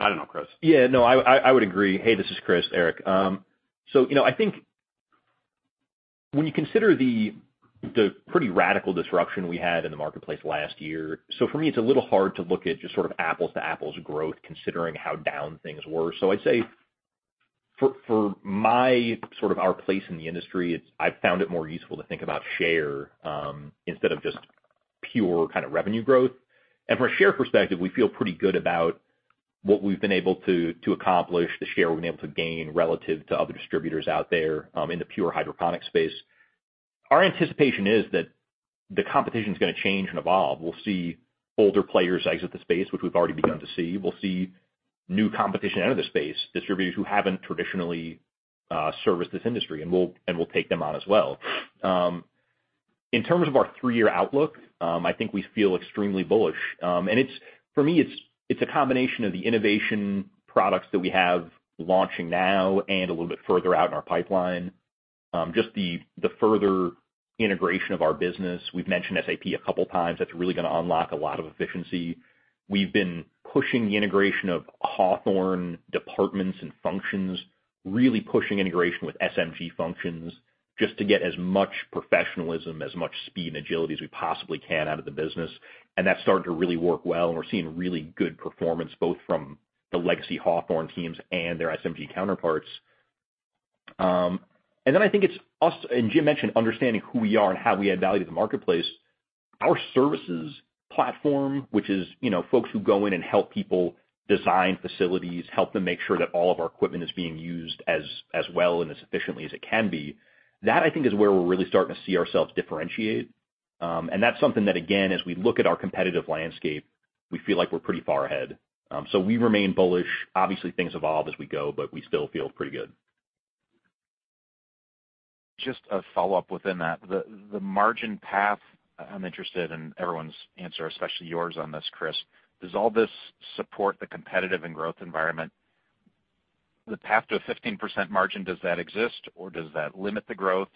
S3: don't know, Chris.
S7: Yeah, no, I would agree. Hey, this is Chris, Eric. I think when you consider the pretty radical disruption we had in the marketplace last year, for me, it's a little hard to look at just sort of apples-to-apples growth, considering how down things were. I'd say for my sort of our place in the industry, I've found it more useful to think about share, instead of just pure kind of revenue growth. From a share perspective, we feel pretty good about what we've been able to accomplish, the share we've been able to gain relative to other distributors out there in the pure hydroponic space. Our anticipation is that the competition's going to change and evolve. We'll see older players exit the space, which we've already begun to see. We'll see new competition enter the space, distributors who haven't traditionally serviced this industry, and we'll take them on as well. In terms of our three-year outlook, I think we feel extremely bullish. For me, it's a combination of the innovation products that we have launching now and a little bit further out in our pipeline. Just the further integration of our business. We've mentioned SAP a couple of times. That's really going to unlock a lot of efficiency. We've been pushing the integration of Hawthorne departments and functions, really pushing integration with SMG functions just to get as much professionalism, as much speed and agility as we possibly can out of the business. That's starting to really work well, and we're seeing really good performance both from the legacy Hawthorne teams and their SMG counterparts. I think it's us, and Jim mentioned understanding who we are and how we add value to the marketplace. Our services platform, which is folks who go in and help people design facilities, help them make sure that all of our equipment is being used as well and as efficiently as it can be. That I think, is where we're really starting to see ourselves differentiate. That's something that again, as we look at our competitive landscape, we feel like we're pretty far ahead. We remain bullish. Obviously, things evolve as we go, but we still feel pretty good.
S9: Just a follow-up within that. The margin path, I'm interested in everyone's answer, especially yours on this, Chris. Does all this support the competitive and growth environment? The path to a 15% margin, does that exist, or does that limit the growth?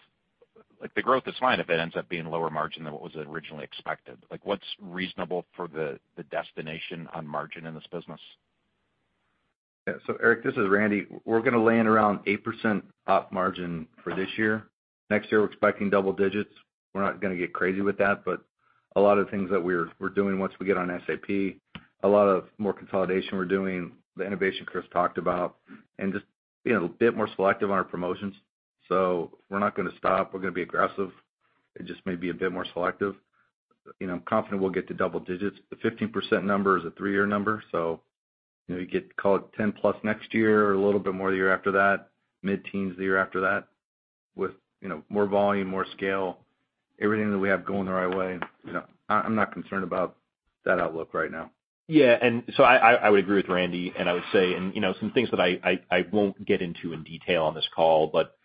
S9: The growth is fine if it ends up being lower margin than what was originally expected. What's reasonable for the destination on margin in this business?
S4: Yeah. Eric, this is Randy. We're going to land around 8% op margin for this year. Next year, we're expecting double digits. We're not going to get crazy with that, but a lot of things that we're doing once we get on SAP, a lot of more consolidation we're doing, the innovation Chris talked about, and just being a bit more selective on our promotions. We're not going to stop. We're going to be aggressive and just maybe a bit more selective.
S3: I'm confident we'll get to double digits. The 15% number is a three-year number, so you get, call it 10 plus next year or a little bit more the year after that, mid-teens the year after that with more volume, more scale, everything that we have going the right way. I'm not concerned about that outlook right now.
S7: Yeah. I would agree with Randy, and I would say, and some things that I won't get into in detail on this call, but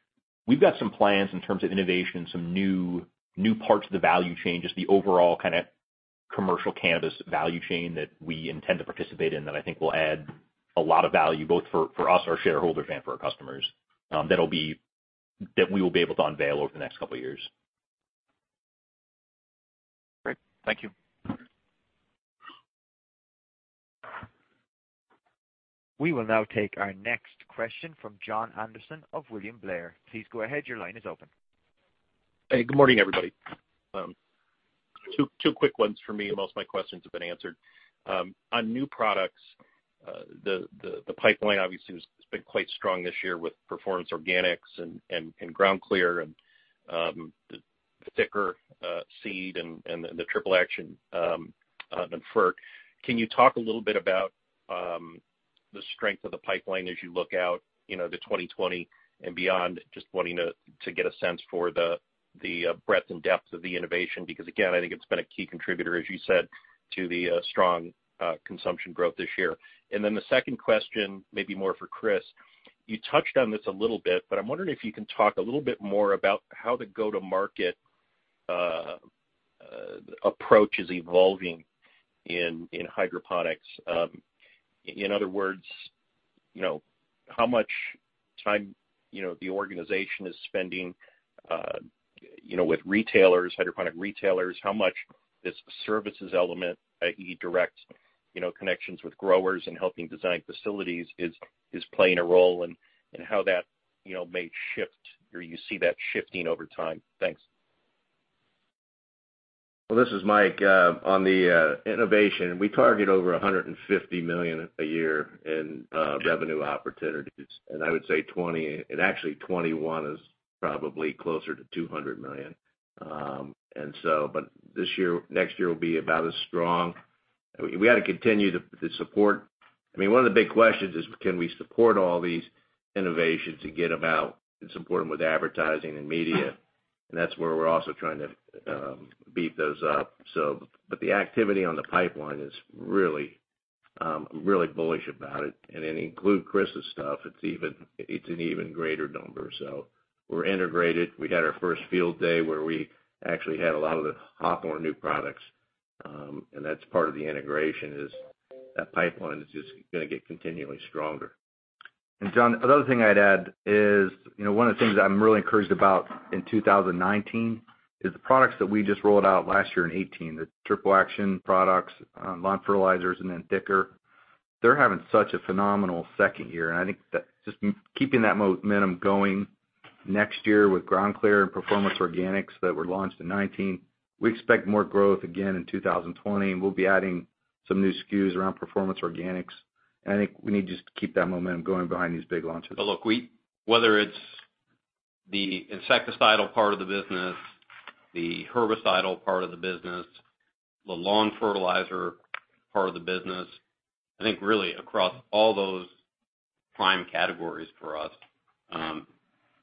S7: we've got some plans in terms of innovation, some new parts of the value chain, just the overall kind of commercial canvas value chain that we intend to participate in that I think will add a lot of value, both for us, our shareholders, and for our customers. That we will be able to unveil over the next couple of years.
S9: Great. Thank you.
S1: We will now take our next question from Jon Andersen of William Blair. Please go ahead. Your line is open.
S10: Hey, good morning, everybody. Two quick ones for me. Most of my questions have been answered. On new products, the pipeline obviously has been quite strong this year with Performance Organics and GroundClear and the Thick'R seed and the Triple Action [network]. Can you talk a little bit about the strength of the pipeline as you look out to 2020 and beyond? Just wanting to get a sense for the breadth and depth of the innovation, because again, I think it's been a key contributor, as you said, to the strong consumption growth this year. The second question may be more for Chris. You touched on this a little bit, but I'm wondering if you can talk a little bit more about how the go-to-market approach is evolving in hydroponics. In other words, how much time the organization is spending with hydroponic retailers, how much this services element, i.e., direct connections with growers and helping design facilities is playing a role and how that may shift, or you see that shifting over time. Thanks.
S8: Well, this is Mike. On the innovation, we target over $150 million a year in revenue opportunities. I would say 2020, and actually 2021 is probably closer to $200 million. This year, next year will be about as strong. We got to continue to support. One of the big questions is can we support all these innovations to get them out and support them with advertising and media. That's where we're also trying to beef those up. The activity on the pipeline is really, I'm really bullish about it. Include Chris's stuff, it's an even greater number. We're integrated. We had our first field day where we actually had a lot of the Hawthorne new products. That's part of the integration is that pipeline is just going to get continually stronger. John, another thing I'd add is, one of the things I'm really encouraged about in 2019 is the products that we just rolled out last year in 2018, the Triple Action products, lawn fertilizers, and then Thick'R. They're having such a phenomenal second year. I think that just keeping that momentum going next year with GroundClear and Performance Organics that were launched in 2019, we expect more growth again in 2020. We'll be adding some new SKUs around Performance Organics. I think we need to just keep that momentum going behind these big launches.
S3: Look, whether it's the insecticidal part of the business, the herbicidal part of the business, the lawn fertilizer part of the business, I think really across all those prime categories for us,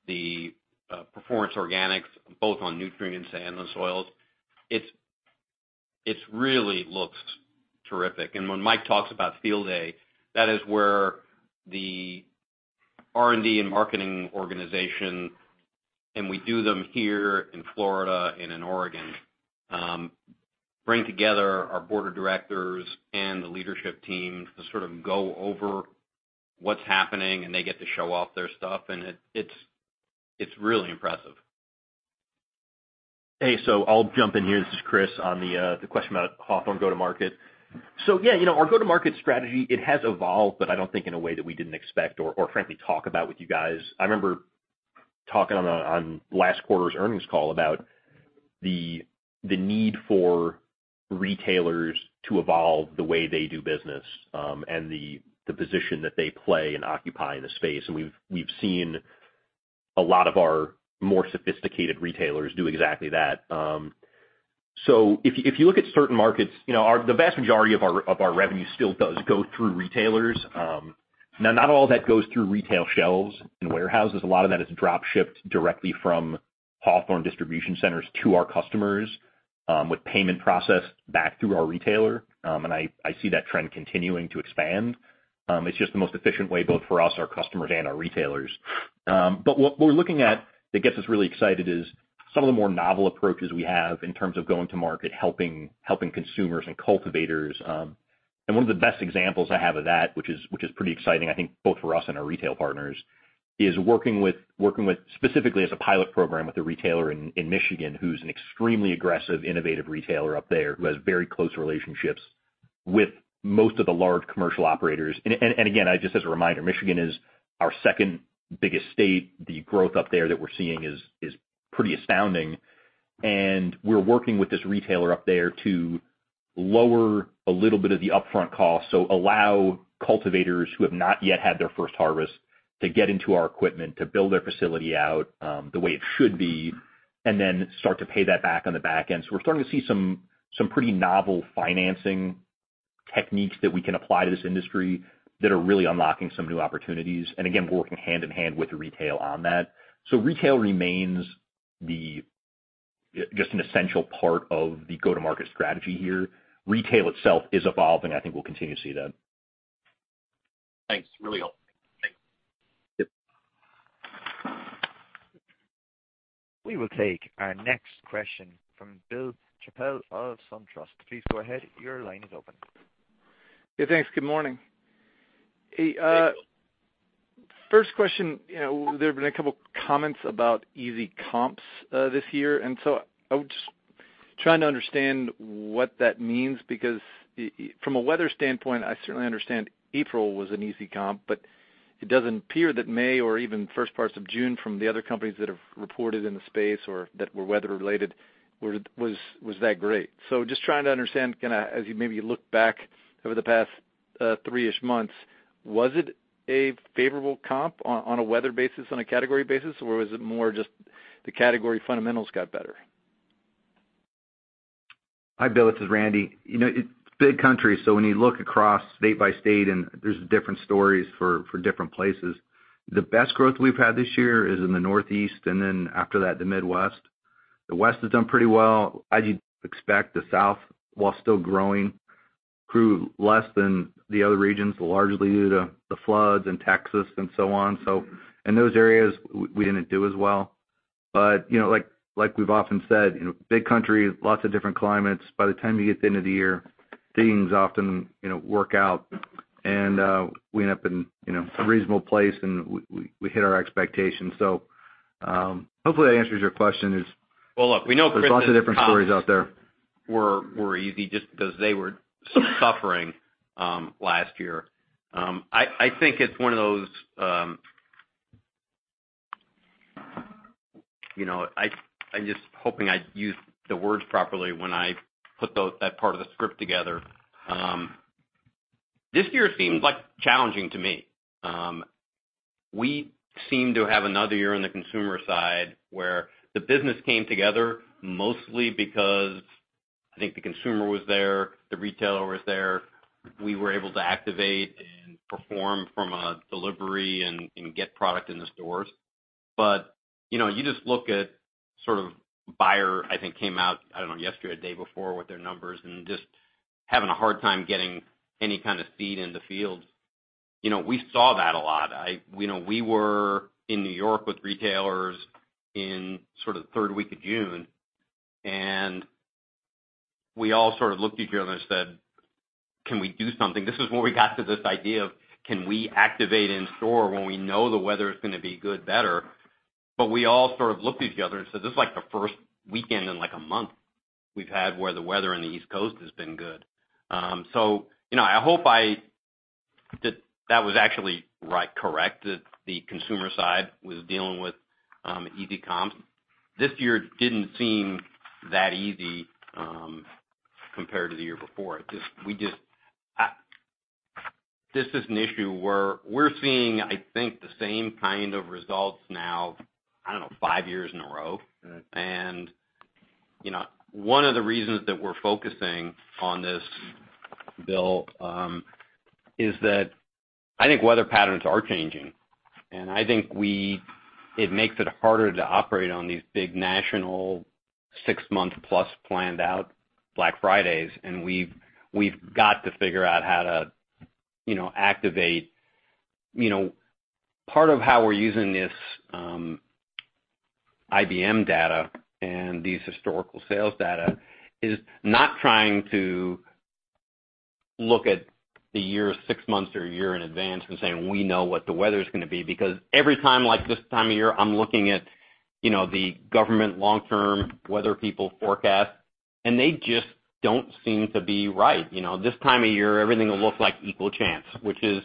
S3: the Performance Organics, both on nutrients and the soils, it really looks terrific. When Mike talks about field day, that is where the R&D and marketing organization, and we do them here in Florida and in Oregon, bring together our board of directors and the leadership team to sort of go over what's happening and they get to show off their stuff. It's really impressive.
S7: Hey, I'll jump in here. This is Chris on the question about Hawthorne go-to-market. Our go-to-market strategy, it has evolved, I don't think in a way that we didn't expect or frankly talk about with you guys. I remember talking on last quarter's earnings call about the need for retailers to evolve the way they do business, the position that they play and occupy in the space. We've seen a lot of our more sophisticated retailers do exactly that. If you look at certain markets, the vast majority of our revenue still does go through retailers. Now, not all that goes through retail shelves and warehouses. A lot of that is drop shipped directly from Hawthorne distribution centers to our customers, with payment processed back through our retailer. I see that trend continuing to expand. It's just the most efficient way, both for us, our customers, and our retailers. What we're looking at that gets us really excited is some of the more novel approaches we have in terms of going to market, helping consumers and cultivators. One of the best examples I have of that, which is pretty exciting, I think both for us and our retail partners, is working with specifically as a pilot program with a retailer in Michigan who's an extremely aggressive, innovative retailer up there who has very close relationships with most of the large commercial operators. Again, just as a reminder, Michigan is our second biggest state. The growth up there that we're seeing is pretty astounding. We're working with this retailer up there to lower a little bit of the upfront cost. Allow cultivators who have not yet had their first harvest to get into our equipment, to build their facility out the way it should be, and then start to pay that back on the back end. We're starting to see some pretty novel financing techniques that we can apply to this industry that are really unlocking some new opportunities. Again, we're working hand in hand with retail on that. Retail remains just an essential part of the go-to-market strategy here. Retail itself is evolving. I think we'll continue to see that.
S10: Thanks. Really helpful. Thanks.
S7: Yep.
S1: We will take our next question from Bill Chappell of SunTrust. Please go ahead. Your line is open.
S11: Yeah, thanks. Good morning. First question. There've been a couple comments about easy comps this year. I was just trying to understand what that means, because from a weather standpoint, I certainly understand April was an easy comp, but it doesn't appear that May or even first parts of June from the other companies that have reported in the space or that were weather-related was that great. Just trying to understand, as you maybe look back over the past three-ish months, was it a favorable comp on a weather basis, on a category basis, or was it more just the category fundamentals got better?
S4: Hi, Bill, this is Randy. It's a big country. When you look across state by state, there's different stories for different places. The best growth we've had this year is in the Northeast, then after that, the Midwest. The West has done pretty well. As you'd expect, the South, while still growing, grew less than the other regions, largely due to the floods in Texas and so on. In those areas, we didn't do as well. Like we've often said, big country, lots of different climates. By the time you get to the end of the year, things often work out and we end up in a reasonable place and we hit our expectations. Hopefully that answers your question.
S3: Well, look, we know Chris.
S8: There's lots of different stories out there.
S3: were easy just because they were suffering last year. I'm just hoping I used the words properly when I put that part of the script together. This year seemed like challenging to me. We seem to have another year on the consumer side where the business came together mostly because I think the consumer was there, the retailer was there. We were able to activate and perform from a delivery and get product in the stores. You just look at sort of Bayer, I think, came out, I don't know, yesterday, day before with their numbers and just having a hard time getting any kind of seed in the firks. We saw that a lot. We were in New York with retailers in sort of third week of June. We all sort of looked at each other and said, "Can we do something?" This is where we got to this idea of can we activate in store when we know the weather is going to be good, better? We all sort of looked at each other and said, "This is like the first weekend in like a month we've had where the weather on the East Coast has been good." I hope that was actually correct, that the consumer side was dealing with easy comps. This year didn't seem that easy compared to the year before. This is an issue where we're seeing, I think, the same kind of results now, I don't know, five years in a row. One of the reasons that we're focusing on this, Bill, is that I think weather patterns are changing, and I think it makes it harder to operate on these big national six-month-plus planned out Black Fridays, and we've got to figure out how to activate. Part of how we're using this IBM data and these historical sales data is not trying to look at the year, six months or a year in advance and saying, "We know what the weather's going to be." Every time, like this time of year, I'm looking at the government long-term weather people forecast, and they just don't seem to be right. This time of year, everything will look like equal chance, which is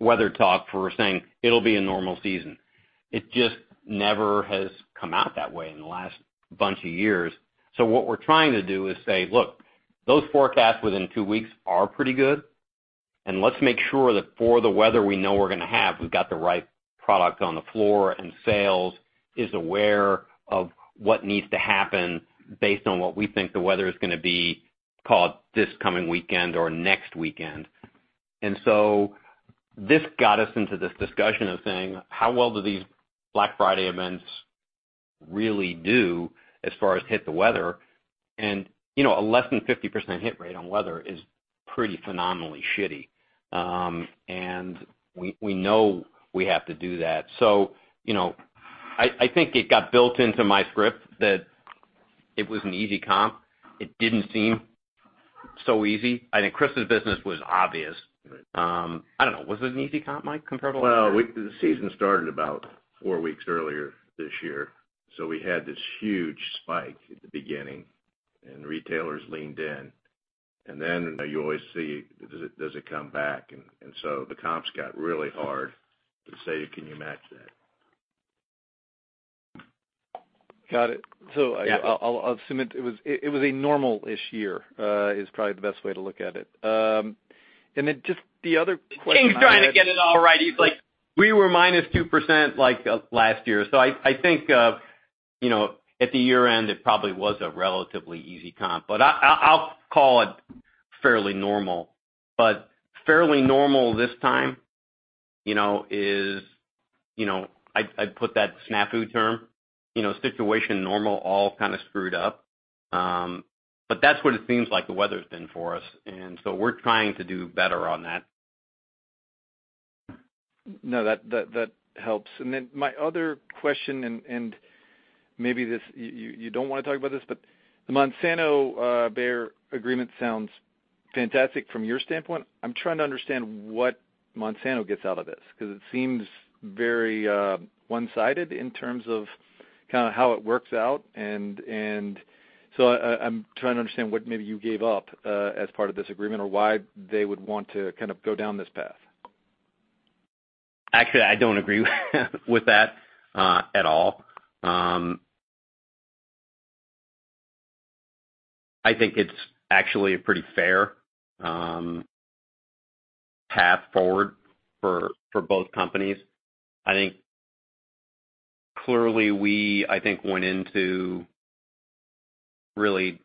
S3: weather talk for saying it'll be a normal season. It just never has come out that way in the last bunch of years. What we're trying to do is say, "Look, those forecasts within two weeks are pretty good, and let's make sure that for the weather we know we're going to have, we've got the right product on the floor and sales is aware of what needs to happen based on what we think the weather is going to be called this coming weekend or next weekend." This got us into this discussion of saying how well do these Black Friday events really do as far as hit the weather? A less than 50% hit rate on weather is pretty phenomenally shitty. We know we have to do that. I think it got built into my script that it was an easy comp. It didn't seem so easy. I think Chris's business was obvious. Right. I don't know. Was it an easy comp, Mike, compared to last year?
S8: Well, the season started about four weeks earlier this year, so we had this huge spike at the beginning and retailers leaned in. Then you always see, does it come back? So the comps got really hard to say, can you match that?
S11: Got it. I'll assume it was a normal-ish year, is probably the best way to look at it. Just the other question I had.
S3: King's trying to get it all right. He's like We were minus 2% last year, so I think at the year-end, it probably was a relatively easy comp. I'll call it fairly normal. Fairly normal this time is, I put that SNAFU term, situation normal all kind of screwed up. That's what it seems like the weather's been for us, and so we're trying to do better on that.
S11: No, that helps. My other question, maybe you don't want to talk about this, the Monsanto-Bayer agreement sounds fantastic from your standpoint. I'm trying to understand what Monsanto gets out of this, because it seems very one-sided in terms of how it works out. I'm trying to understand what maybe you gave up as part of this agreement, or why they would want to go down this path.
S3: Actually, I don't agree with that at all. I think it's actually a pretty fair path forward for both companies. I think clearly we went into really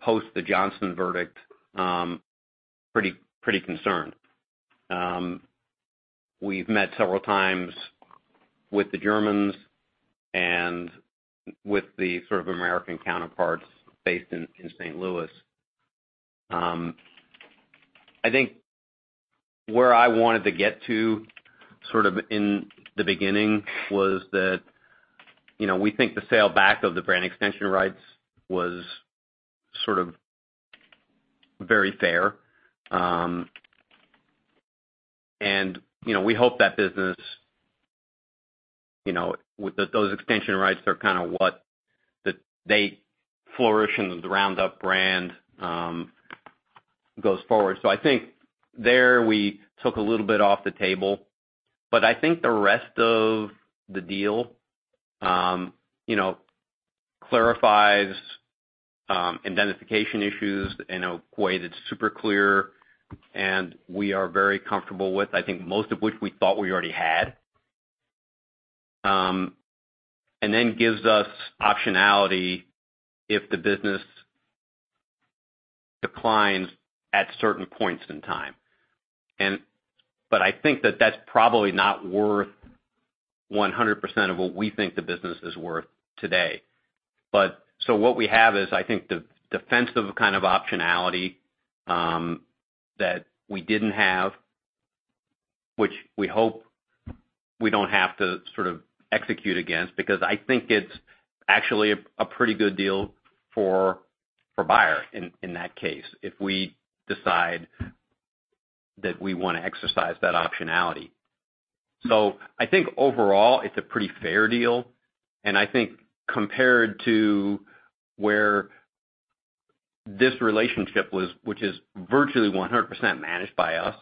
S3: post the Johnson verdict pretty concerned. We've met several times with the Germans and with the American counterparts based in St. Louis. I think where I wanted to get to in the beginning was that we think the sale back of the brand extension rights was very fair. We hope that business, with those extension rights are what they flourish and the Roundup brand goes forward. I think there we took a little bit off the table. I think the rest of the deal clarifies indemnification issues in a way that's super clear and we are very comfortable with, I think most of which we thought we already had. Then gives us optionality if the business declines at certain points in time. I think that that's probably not worth 100% of what we think the business is worth today. What we have is, I think, the defensive kind of optionality that we didn't have, which we hope we don't have to execute against, because I think it's actually a pretty good deal for Bayer in that case, if we decide that we want to exercise that optionality. I think overall, it's a pretty fair deal, and I think compared to where this relationship was, which is virtually 100% managed by us,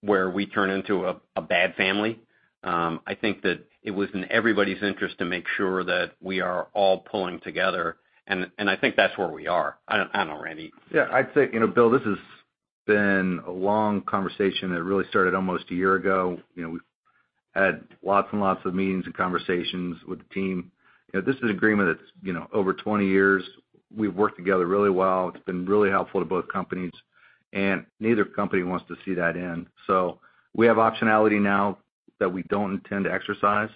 S3: where we turn into a bad family. I think that it was in everybody's interest to make sure that we are all pulling together, and I think that's where we are. I don't know, Randy.
S4: Yeah, I'd say, Bill, this has been a long conversation that really started almost a year ago. We've had lots and lots of meetings and conversations with the team. This is an agreement that's over 20 years. We've worked together really well. It's been really helpful to both companies. Neither company wants to see that end. We have optionality now that we don't intend to exercise,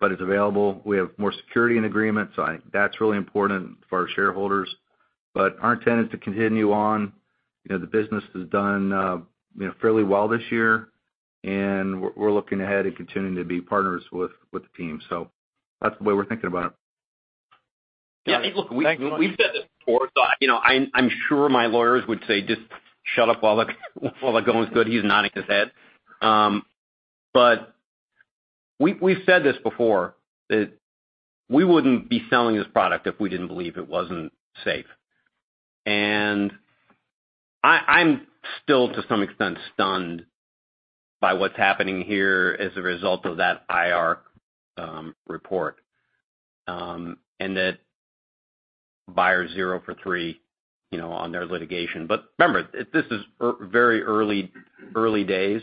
S4: but it's available. We have more security in agreements. I think that's really important for our shareholders. Our intent is to continue on. The business has done fairly well this year. We're looking ahead and continuing to be partners with the team. That's the way we're thinking about it.
S3: Yeah. Look, we've said this before. I'm sure my lawyers would say, "Just shut up while the going's good." He's nodding his head. We've said this before, that we wouldn't be selling this product if we didn't believe it wasn't safe. I'm still, to some extent, stunned by what's happening here as a result of that IARC report, and that Bayer zero for three on their litigation. Remember, this is very early days.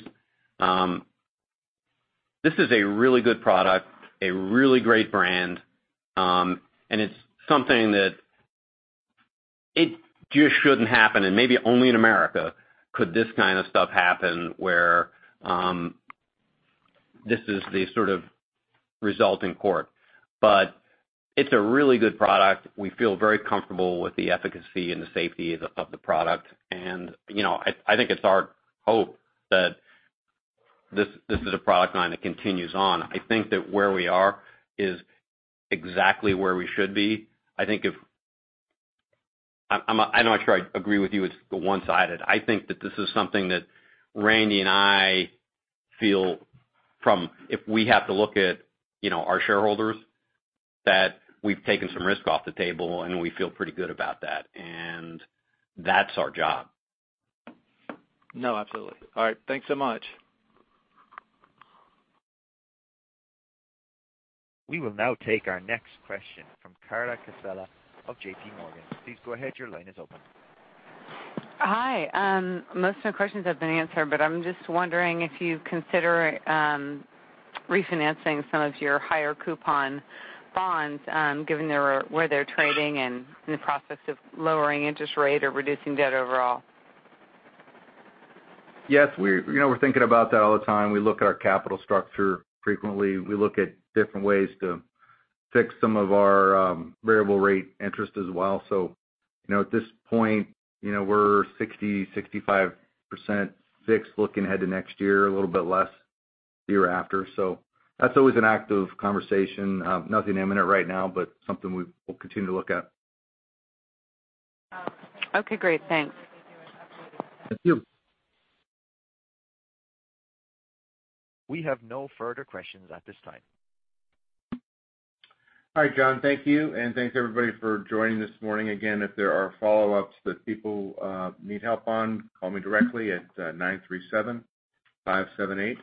S3: This is a really good product, a really great brand, and it's something that it just shouldn't happen, and maybe only in America could this kind of stuff happen, where this is the result in court. It's a really good product. We feel very comfortable with the efficacy and the safety of the product. I think it's our hope that this is a product line that continues on. I think that where we are is exactly where we should be. I'm not sure I agree with you it's one-sided. I think that this is something that Randy and I feel from, if we have to look at our shareholders, that we've taken some risk off the table, and we feel pretty good about that. That's our job.
S11: No, absolutely. All right. Thanks so much.
S1: We will now take our next question from Carla Casella of JPMorgan. Please go ahead, your line is open.
S12: Hi. I'm just wondering if you consider refinancing some of your higher coupon bonds, given where they're trading and in the process of lowering interest rate or reducing debt overall.
S4: Yes, we're thinking about that all the time. We look at our capital structure frequently. We look at different ways to fix some of our variable rate interest as well. At this point, we're 60%-65% fixed looking ahead to next year, a little bit less the year after. That's always an active conversation. Nothing imminent right now, but something we will continue to look at.
S12: Okay, great. Thanks.
S4: Thank you.
S1: We have no further questions at this time.
S3: All right, John. Thank you, and thanks, everybody, for joining this morning. Again, if there are follow-ups that people need help on, call me directly at 937-578-5622.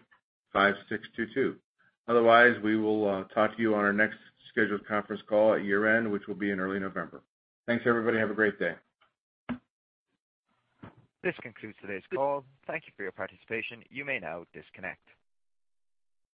S3: Otherwise, we will talk to you on our next scheduled conference call at year-end, which will be in early November. Thanks, everybody. Have a great day.
S1: This concludes today's call. Thank you for your participation. You may now disconnect.